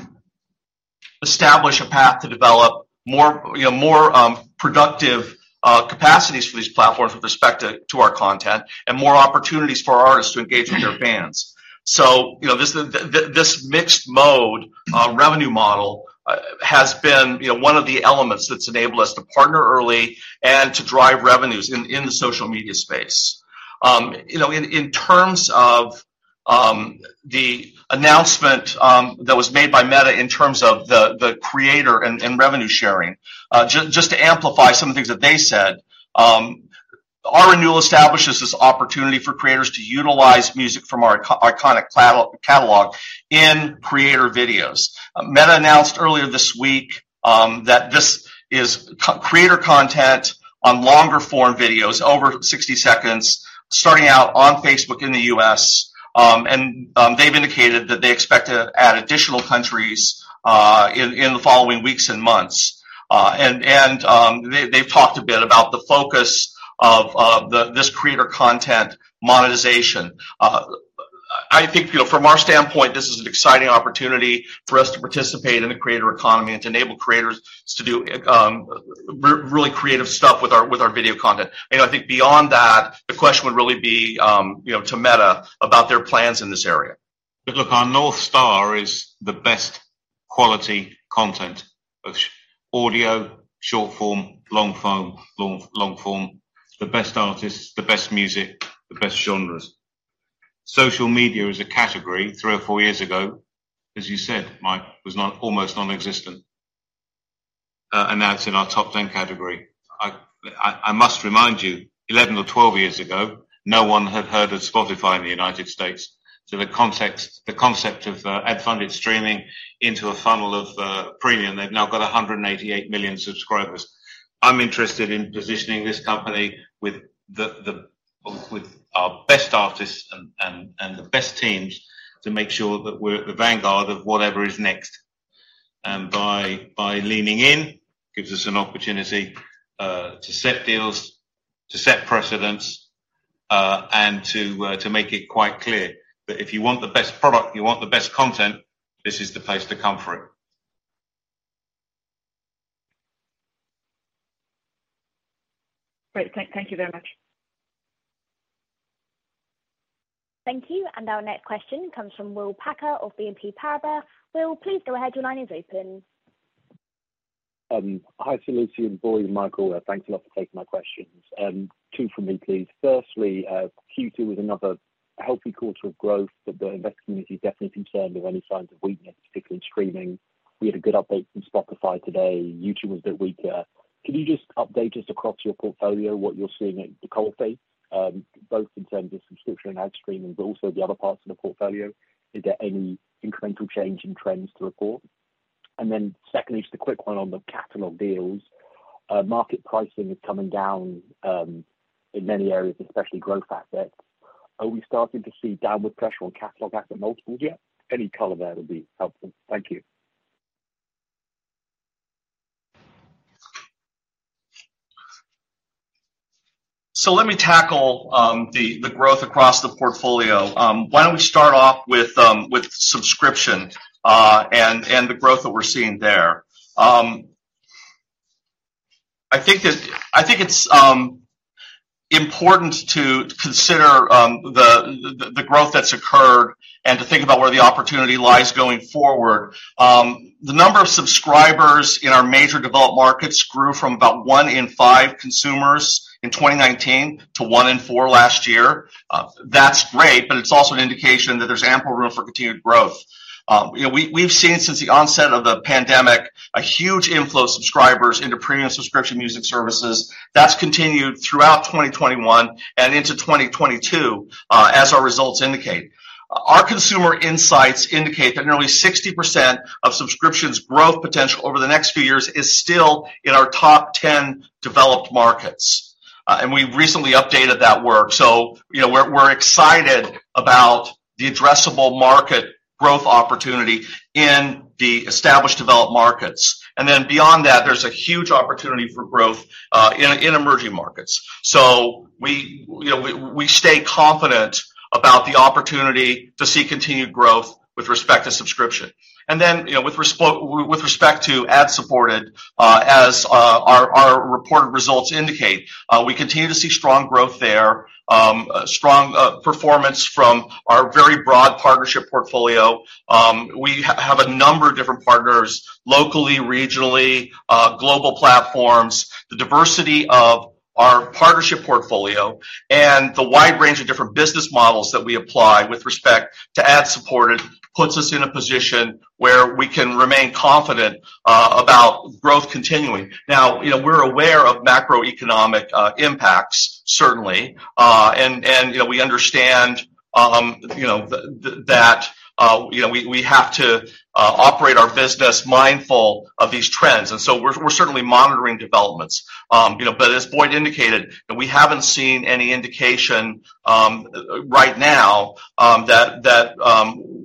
establish a path to develop more, you know, more productive capacities for these platforms with respect to our content and more opportunities for our artists to engage with their fans. You know, this mixed mode revenue model has been, you know, one of the elements that's enabled us to partner early and to drive revenues in the social media space. You know, in terms of the announcement that was made by Meta in terms of the creator and revenue sharing, just to amplify some of the things that they said, our renewal establishes this opportunity for creators to utilize music from our iconic catalog in creator videos. Meta announced earlier this week that this is creator content on longer form videos over 60 seconds, starting out on Facebook in the U.S., and they've indicated that they expect to add additional countries in the following weeks and months. They've talked a bit about the focus of this creator content monetization. I think, you know, from our standpoint this is an exciting opportunity for us to participate in the creator economy and to enable creators to do really creative stuff with our video content. You know, I think beyond that, the question would really be to Meta about their plans in this area. Look, our North Star is the best quality content of audio, short-form, long-form, the best artists, the best music, the best genres. Social media as a category three or four years ago, as you said Mike, was almost nonexistent. Now it's in our top 10 category. I must remind you, 11 or 12 years ago no one had heard of Spotify in the United States. The concept of ad-funded streaming into a funnel of premium. They've now got 188 million subscribers. I'm interested in positioning this company with our best artists and the best teams to make sure that we're at the vanguard of whatever is next. By leaning in, gives us an opportunity to set deals, to set precedents, and to make it quite clear that if you want the best product, you want the best content, this is the place to come for it. Great., thank you very much. Thank you. Our next question comes from William Packer of BNP Paribas. Will, please go ahead. Your line is open. Hi to Lucian and Boyd and Michael. Thanks a lot for taking my questions. Two for me, please. Firstly, Q2 was another healthy quarter of growth but the investment community is definitely concerned of any signs of weakness particularly in streaming. We had a good update from Spotify today. YouTube was a bit weaker. Can you just update us across your portfolio, what you're seeing at the coalface, both in terms of subscription and ad streaming, but also the other parts of the portfolio? Is there any incremental change in trends to report? Then secondly, just a quick one on the catalog deals. Market pricing is coming down in many areas especially growth assets. Are we starting to see downward pressure on catalog asset multiples yet? Any color there would be helpful, thank you. Let me tackle the growth across the portfolio. Why don't we start off with subscription and the growth that we're seeing there. I think it's important to consider the growth that's occurred and to think about where the opportunity lies going forward. The number of subscribers in our major developed markets grew from about one in five consumers in 2019 to one in four last year. That's great but it's also an indication that there's ample room for continued growth. You know, we've seen since the onset of the pandemic, a huge inflow of subscribers into premium subscription music services. That's continued throughout 2021 and into 2022 as our results indicate. Our consumer insights indicate that nearly 60% of subscriptions growth potential over the next few years is still in our top 10 developed markets. We recently updated that work. You know, we're excited about the addressable market growth opportunity in the established developed markets. Beyond that, there's a huge opportunity for growth in emerging markets. You know, we stay confident about the opportunity to see continued growth with respect to subscription. You know, with respect to ad-supported as our reported results indicate, we continue to see strong growth there, strong performance from our very broad partnership portfolio. We have a number of different partners locally, regionally, global platforms. The diversity of our partnership portfolio and the wide range of different business models that we apply with respect to ad-supported puts us in a position where we can remain confident about growth continuing. Now, you know, we're aware of macroeconomic impacts, certainly. You know, we understand, you know, that you know, we have to operate our business mindful of these trends. We're certainly monitoring developments. You know, as Boyd indicated that we haven't seen any indication right now that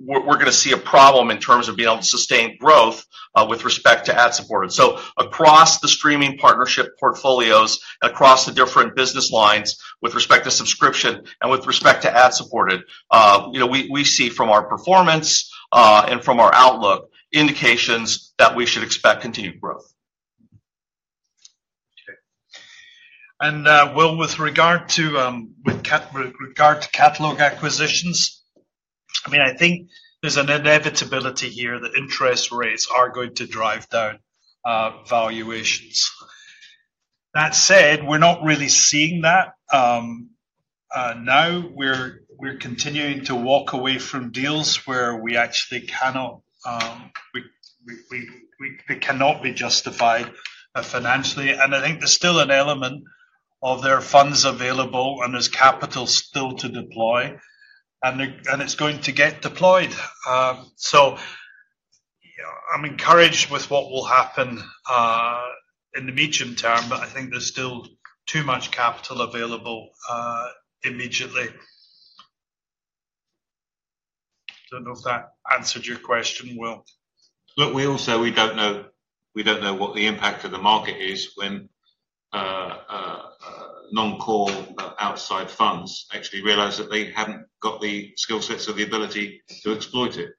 we're gonna see a problem in terms of being able to sustain growth with respect to ad-supported. Across the streaming partnership portfolios and across the different business lines with respect to subscription and with respect to ad-supported, you know, we see from our performance and from our outlook indications that we should expect continued growth. Okay. Will with regard to catalog acquisitions, I mean, I think there's an inevitability here that interest rates are going to drive down valuations. That said, we're not really seeing that. Now we're continuing to walk away from deals where we actually cannot. It cannot be justified financially. I think there's still an element of there are funds available and there's capital still to deploy and it's going to get deployed. I'm encouraged with what will happen in the medium term but I think there's still too much capital available immediately. Don't know if that answered your question, Will. Look, we don't know what the impact of the market is when non-core outside funds actually realize that they haven't got the skill sets or the ability to exploit it.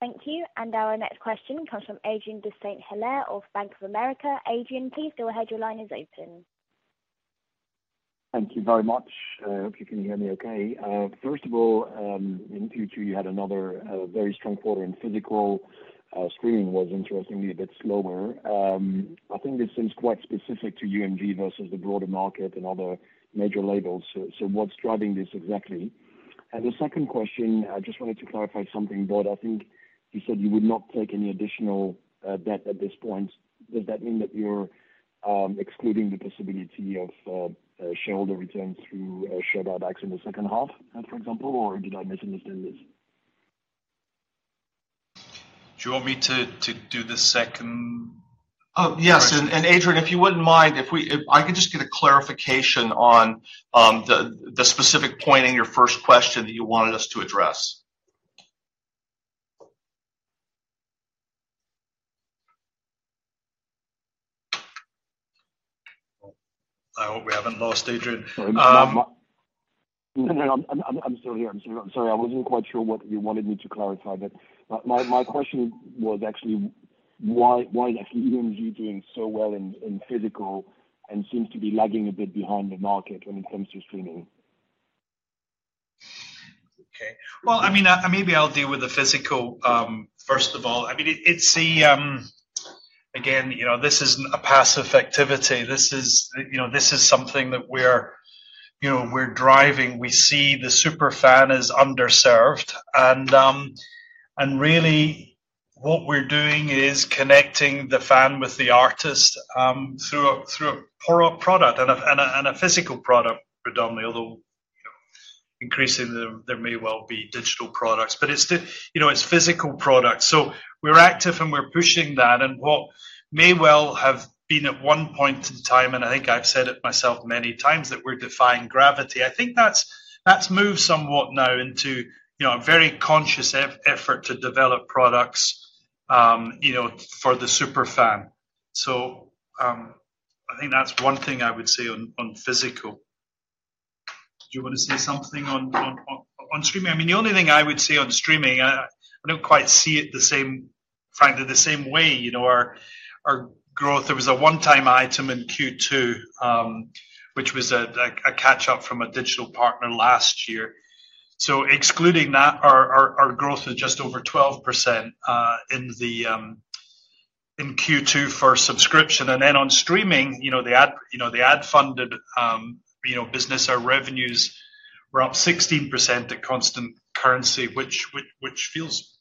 Thank you. Our next question comes from Adrien de Saint Hilaire of Bank of America. Adrien please go ahead. Your line is open. Thank you very much, hope you can hear me okay. First of all, in Q2 you had another very strong quarter in physical. Streaming was interestingly a bit slower. I think this seems quite specific to UMG versus the broader market and other major labels. What's driving this exactly? The second question, I just wanted to clarify something, Boyd. I think you said you would not take any additional debt at this point. Does that mean that you're excluding the possibility of shareholder returns through share buybacks in the second half, for example, or did I misunderstand this? Do you want me to do the second? Yes. Adrien if you wouldn't mind, if I could just get a clarification on the specific point in your first question that you wanted us to address. I hope we haven't lost Adrien. No, I'm still here. Sorry, I wasn't quite sure what you wanted me to clarify but my question was actually why is actually UMG doing so well in physical and seems to be lagging a bit behind the market when it comes to streaming? Okay. Well, I mean maybe I'll deal with the physical first of all. I mean, it's the, again, you know, this isn't a passive activity. This is, you know, this is something that we're, you know, we're driving. We see the super fan is underserved. Really what we're doing is connecting the fan with the artist through a product and a physical product predominantly although, you know, increasingly there may well be digital products. It's the, you know, it's physical products. We're active and we're pushing that. What may well have been at one point in time and I think I've said it myself many times, that we're defying gravity. I think that's moved somewhat now into you know a very conscious effort to develop products you know for the super fan. I think that's one thing I would say on physical. Do you wanna say something on streaming? I mean, the only thing I would say on streaming, I don't quite see it the same way frankly. You know, our growth there was a one-time item in Q2 which was like a catch-up from a digital partner last year. Excluding that, our growth was just over 12% in Q2 for subscription. On streaming, you know, the ad-funded, you know, business, our revenues were up 16% at constant currency which feels,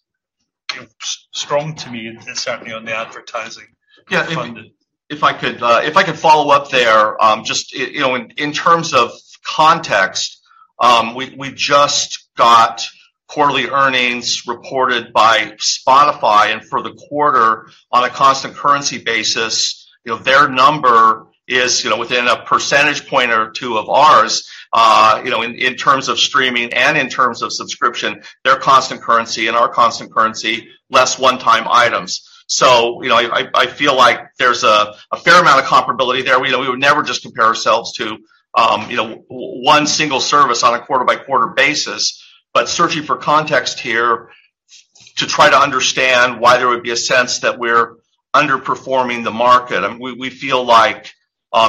you know, strong to me certainly on the advertising ad-funded. Yeah. If I could follow up there, just, you know, in terms of context, we just got quarterly earnings reported by Spotify. For the quarter, on a constant currency basis, you know, their number is, you know, within a percentage point or two of ours, you know, in terms of streaming and in terms of subscription, their constant currency and our constant currency, less one-time items. You know, I feel like there's a fair amount of comparability there. We would never just compare ourselves to, you know, one single service on a quarter-by-quarter basis. Searching for context here to try to understand why there would be a sense that we're underperforming the market. We feel like,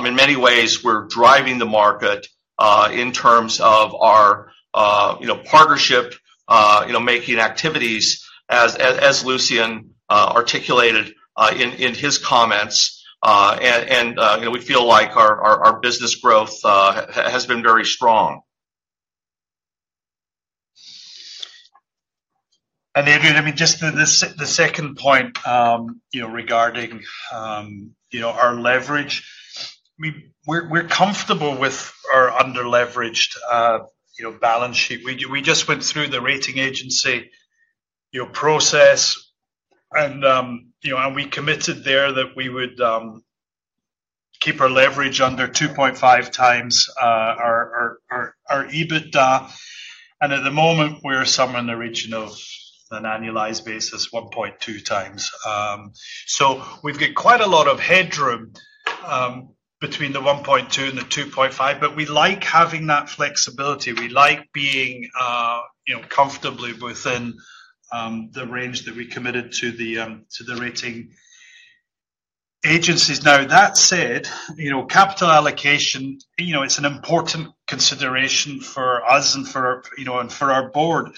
in many ways we're driving the market in terms of our, you know, partnership, you know, making activities as Lucian articulated in his comments. You know, we feel like our business growth has been very strong. Adrien, I mean just the second point, you know, regarding, you know, our leverage. We're comfortable with our under-leveraged, you know, balance sheet. We just went through the rating agency, you know, process and you know, and we committed there that we would keep our leverage under 2.5x our EBITDA. At the moment, we're somewhere in the region of an annualized basis 1.2x. So we've got quite a lot of headroom between the 1.2x and the 2.5x but we like having that flexibility. We like being, you know, comfortably within the range that we committed to the rating agencies. Now, that said, you know, capital allocation, you know, it's an important consideration for us and for, you know, for our board.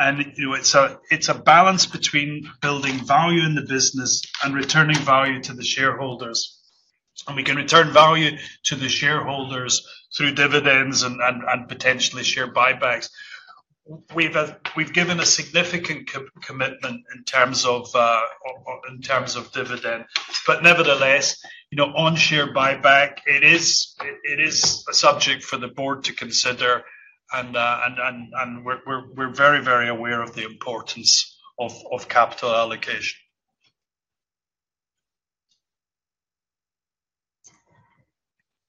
You know, it's a balance between building value in the business and returning value to the shareholders. We can return value to the shareholders through dividends and potentially share buybacks. We've given a significant commitment in terms of dividend. Nevertheless, you know, on share buyback, it is a subject for the board to consider. We're very aware of the importance of capital allocation.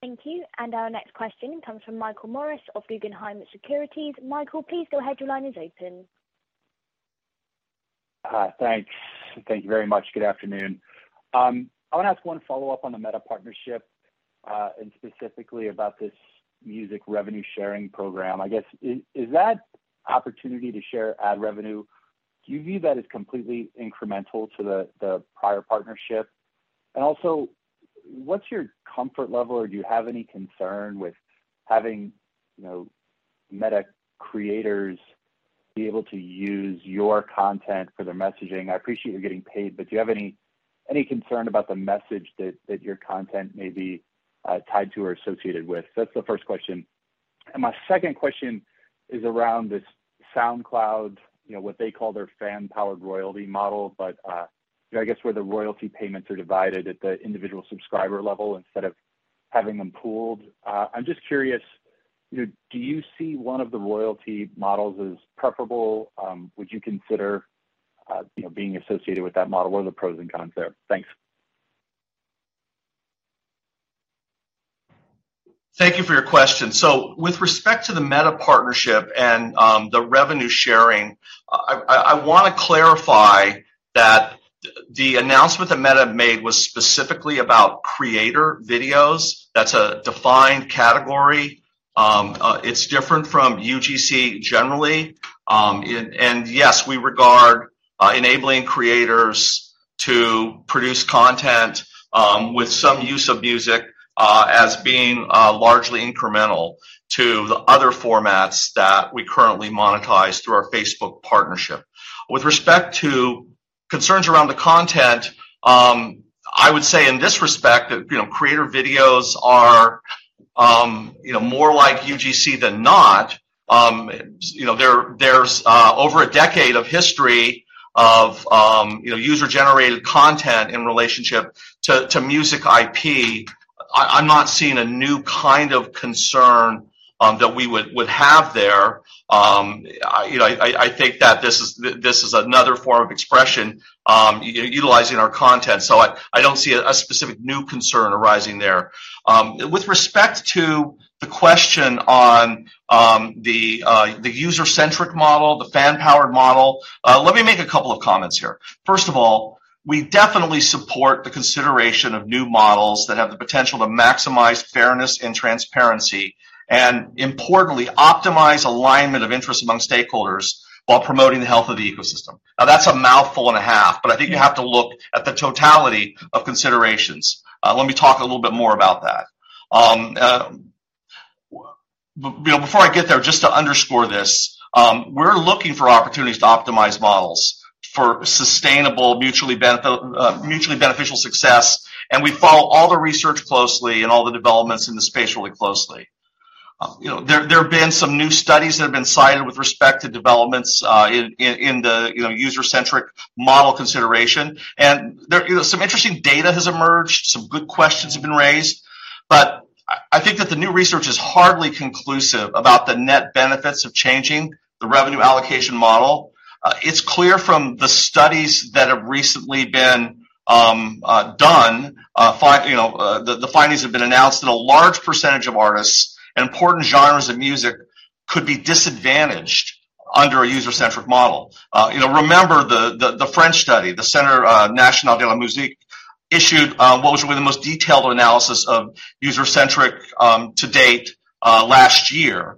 Thank you. Our next question comes from Michael Morris of Guggenheim Securities. Michael please go ahead. Your line is open. Thanks. Thank you very much, good afternoon. I wanna ask one follow-up on the Meta partnership and specifically about this music revenue sharing program. I guess is that opportunity to share ad revenue, do you view that as completely incremental to the prior partnership? And also, what's your comfort level, or do you have any concern with having, you know, Meta creators be able to use your content for their messaging? I appreciate you're getting paid but do you have any concern about the message that your content may be tied to or associated with? So that's the first question. And my second question is around this SoundCloud, you know, what they call their fan-powered royalty model but you know, I guess where the royalty payments are divided at the individual subscriber level instead of having them pooled. I'm just curious, you know, do you see one of the royalty models as preferable? Would you consider, you know, being associated with that model? What are the pros and cons there? Thanks. Thank you for your question. With respect to the Meta partnership and the revenue sharing, I wanna clarify that the announcement that Meta made was specifically about creator videos that's a defined category. It's different from UGC generally. Yes, we regard enabling creators to produce content with some use of music as being largely incremental to the other formats that we currently monetize through our Facebook partnership. With respect to concerns around the content, I would say in this respect that you know, creator videos are, you know, more like UGC than not. You know, there's over a decade of history of user-generated content in relationship to music IP. I'm not seeing a new kind of concern that we would have there. You know, I think that this is another form of expression, utilizing our content, so I don't see a specific new concern arising there. With respect to the question on the user-centric model, the fan-powered model, let me make a couple of comments here. First of all, we definitely support the consideration of new models that have the potential to maximize fairness and transparency and importantly, optimize alignment of interest among stakeholders while promoting the health of the ecosystem. Now, that's a mouthful and a half but I think you have to look at the totality of considerations. Let me talk a little bit more about that. Well, before I get there, just to underscore this, we're looking for opportunities to optimize models for sustainable mutually beneficial success and we follow all the research closely and all the developments in the space really closely. You know, there have been some new studies that have been cited with respect to developments in the user-centric model consideration. There, you know, some interesting data has emerged, some good questions have been raised but I think that the new research is hardly conclusive about the net benefits of changing the revenue allocation model. It's clear from the studies that have recently been done, you know, the findings have been announced that a large percentage of artists and important genres of music could be disadvantaged under a user-centric model. You know, remember the French study, the Centre National de la Musique issued what was really the most detailed analysis of user-centric to date last year.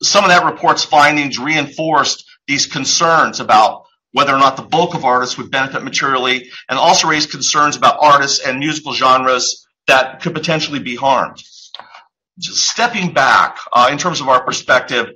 Some of that report's findings reinforced these concerns about whether or not the bulk of artists would benefit materially and also raised concerns about artists and musical genres that could potentially be harmed. Stepping back, in terms of our perspective,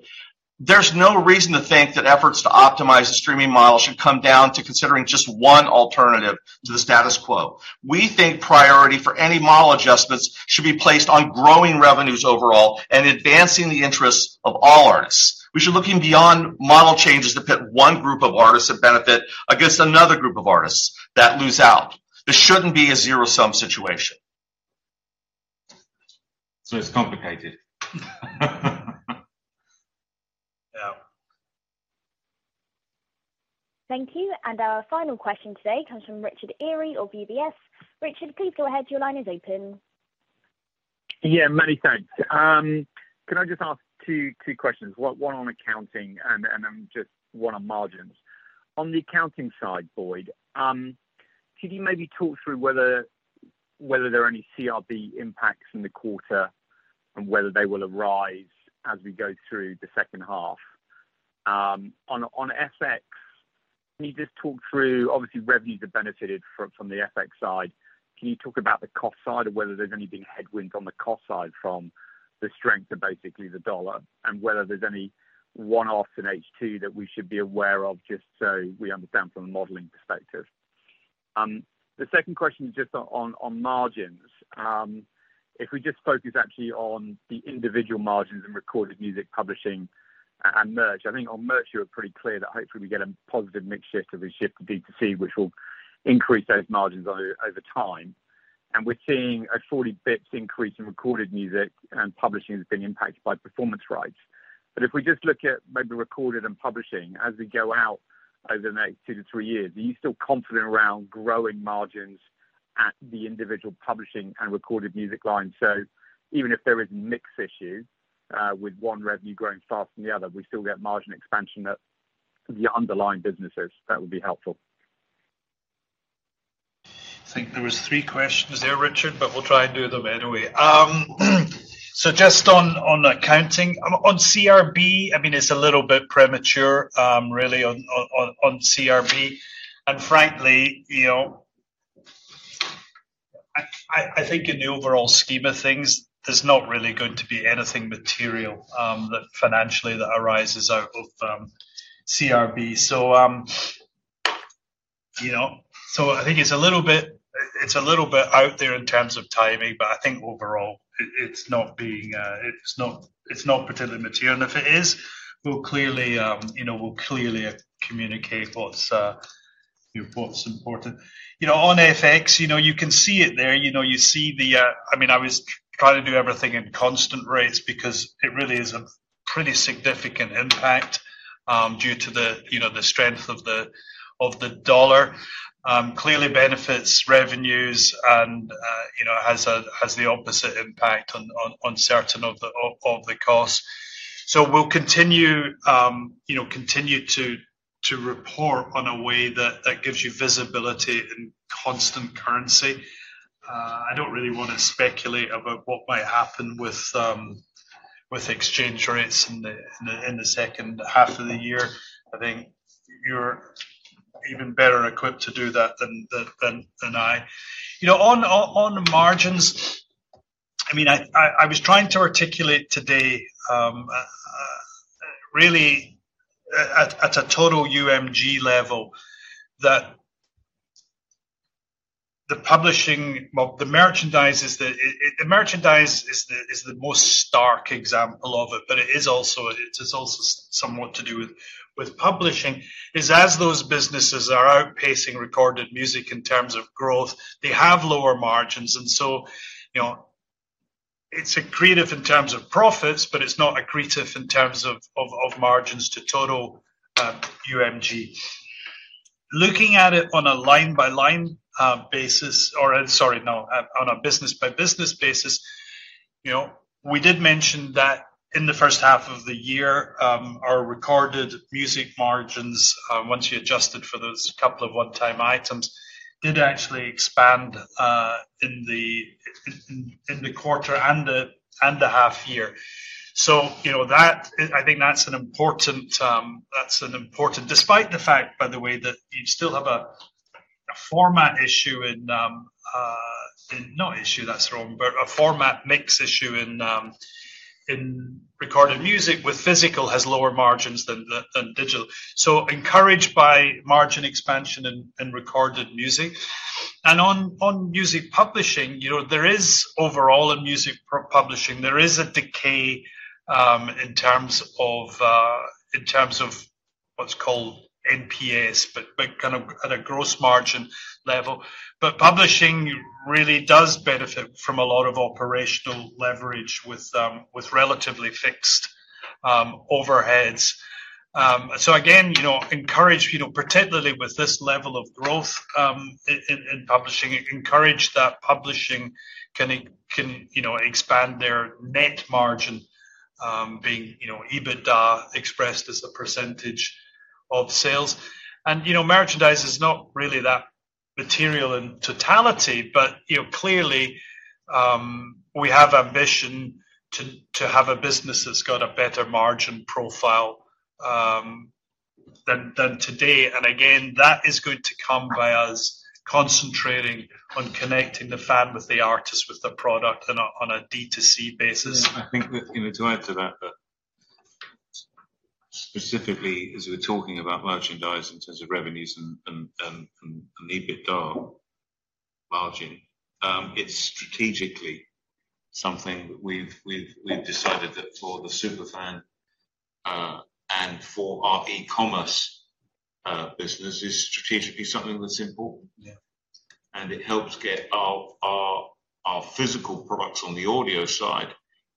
there's no reason to think that efforts to optimize the streaming model should come down to considering just one alternative to the status quo. We think priority for any model adjustments should be placed on growing revenues overall and advancing the interests of all artists. We should look beyond model changes that put one group of artists that benefit against another group of artists that lose out. This shouldn't be a zero-sum situation. It's complicated. Yeah. Thank you. Our final question today comes from Richard Eary of UBS. Richard please go ahead. Your line is open. Yeah, many thanks. Can I just ask two questions? One on accounting and just one on margins. On the accounting side Boyd, could you maybe talk through whether there are any CRB impacts in the quarter and whether they will arise as we go through the second half? On FX, can you just talk through. Obviously, revenues have benefited from the FX side. Can you talk about the cost side and whether there's any big headwind on the cost side from the strength of basically the dollar and whether there's any one-offs in H2 that we should be aware of, just so we understand from a modeling perspective? The second question is just on margins. If we just focus actually on the individual margins in recorded music publishing and merch. I think on merch, you were pretty clear that hopefully we get a positive mix shift as we shift to D2C, which will increase those margins over time? We're seeing a 40 basis points increase in recorded music and publishing that's being impacted by performance rights. If we just look at maybe recorded and publishing as we go out over the next two to three years, are you still confident around growing margins at the individual publishing and recorded music lines? Even if there is mix issue with one revenue growing faster than the other, we still get margin expansion at the underlying businesses. That would be helpful. I think there were three questions there, Richard but we'll try and do them anyway. Just on accounting on CRB, I mean, it's a little bit premature really on CRB. Frankly, you know, I think in the overall scheme of things there's not really going to be anything material that financially arises out of CRB. I think it's a little bit out there in terms of timing but I think overall it's not particularly material. If it is, we'll clearly communicate what's important. You know, on FX, you know, you can see it there. You know, you see the. I mean, I was trying to do everything in constant rates because it really is a pretty significant impact due to the, you know, the strength of the dollar. Clearly benefits revenues and, you know, has the opposite impact on certain of the costs. We'll continue to report on a way that gives you visibility in constant currency. I don't really wanna speculate about what might happen with exchange rates in the second half of the year. I think you're even better equipped to do that than I. On margins, I was trying to articulate today really at a total UMG level that the publishing. Well, the merchandise is the. The merchandise is the most stark example of it but it is also somewhat to do with publishing, as those businesses are outpacing recorded music in terms of growth. They have lower margins, you know, so it's accretive in terms of profits but it's not accretive in terms of margins to total UMG. Looking at it on a business-by-business basis, you know, we did mention that in the first half of the year, our recorded music margins, once you adjusted for this couple of what time, items did actually expand in the quarter and the half year. I think that's an important. Despite the fact, by the way that you still have a format mix issue in recorded music with physical has lower margins than digital. Encouraged by margin expansion in recorded music. On music publishing, you know, there is overall in music publishing a decay in terms of what's called NPS but kind of at a gross margin level. Publishing really does benefit from a lot of operational leverage with relatively fixed overheads. Again, you know, encouraged, you know, particularly with this level of growth in publishing, encouraged that publishing can expand their net margin being EBITDA expressed as a percentage of sales. You know, merchandise is not really that material in totality but, you know, clearly, we have ambition to have a business that's got a better margin profile than today. Again, that is going to come by us concentrating on connecting the fan with the artist with the product on a D2C basis. Yeah. I think that, you know, to add to that specifically as we're talking about merchandise in terms of revenues and EBITDA margin, it's strategically something that we've decided that for the super fan and for our e-commerce business is strategically something that's important. Yeah. It helps get our physical products on the audio side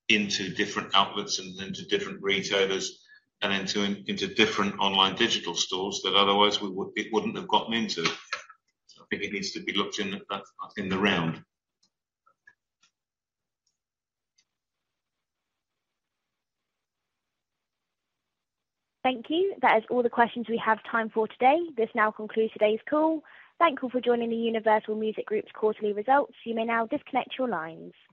into different outlets and into different retailers and into different online digital stores that otherwise it wouldn't have gotten into. I think it needs to be looked in the round. Thank you. That is all the questions we have time for today. This now concludes today's call. Thank you for joining the Universal Music Group's quarterly results. You may now disconnect your lines.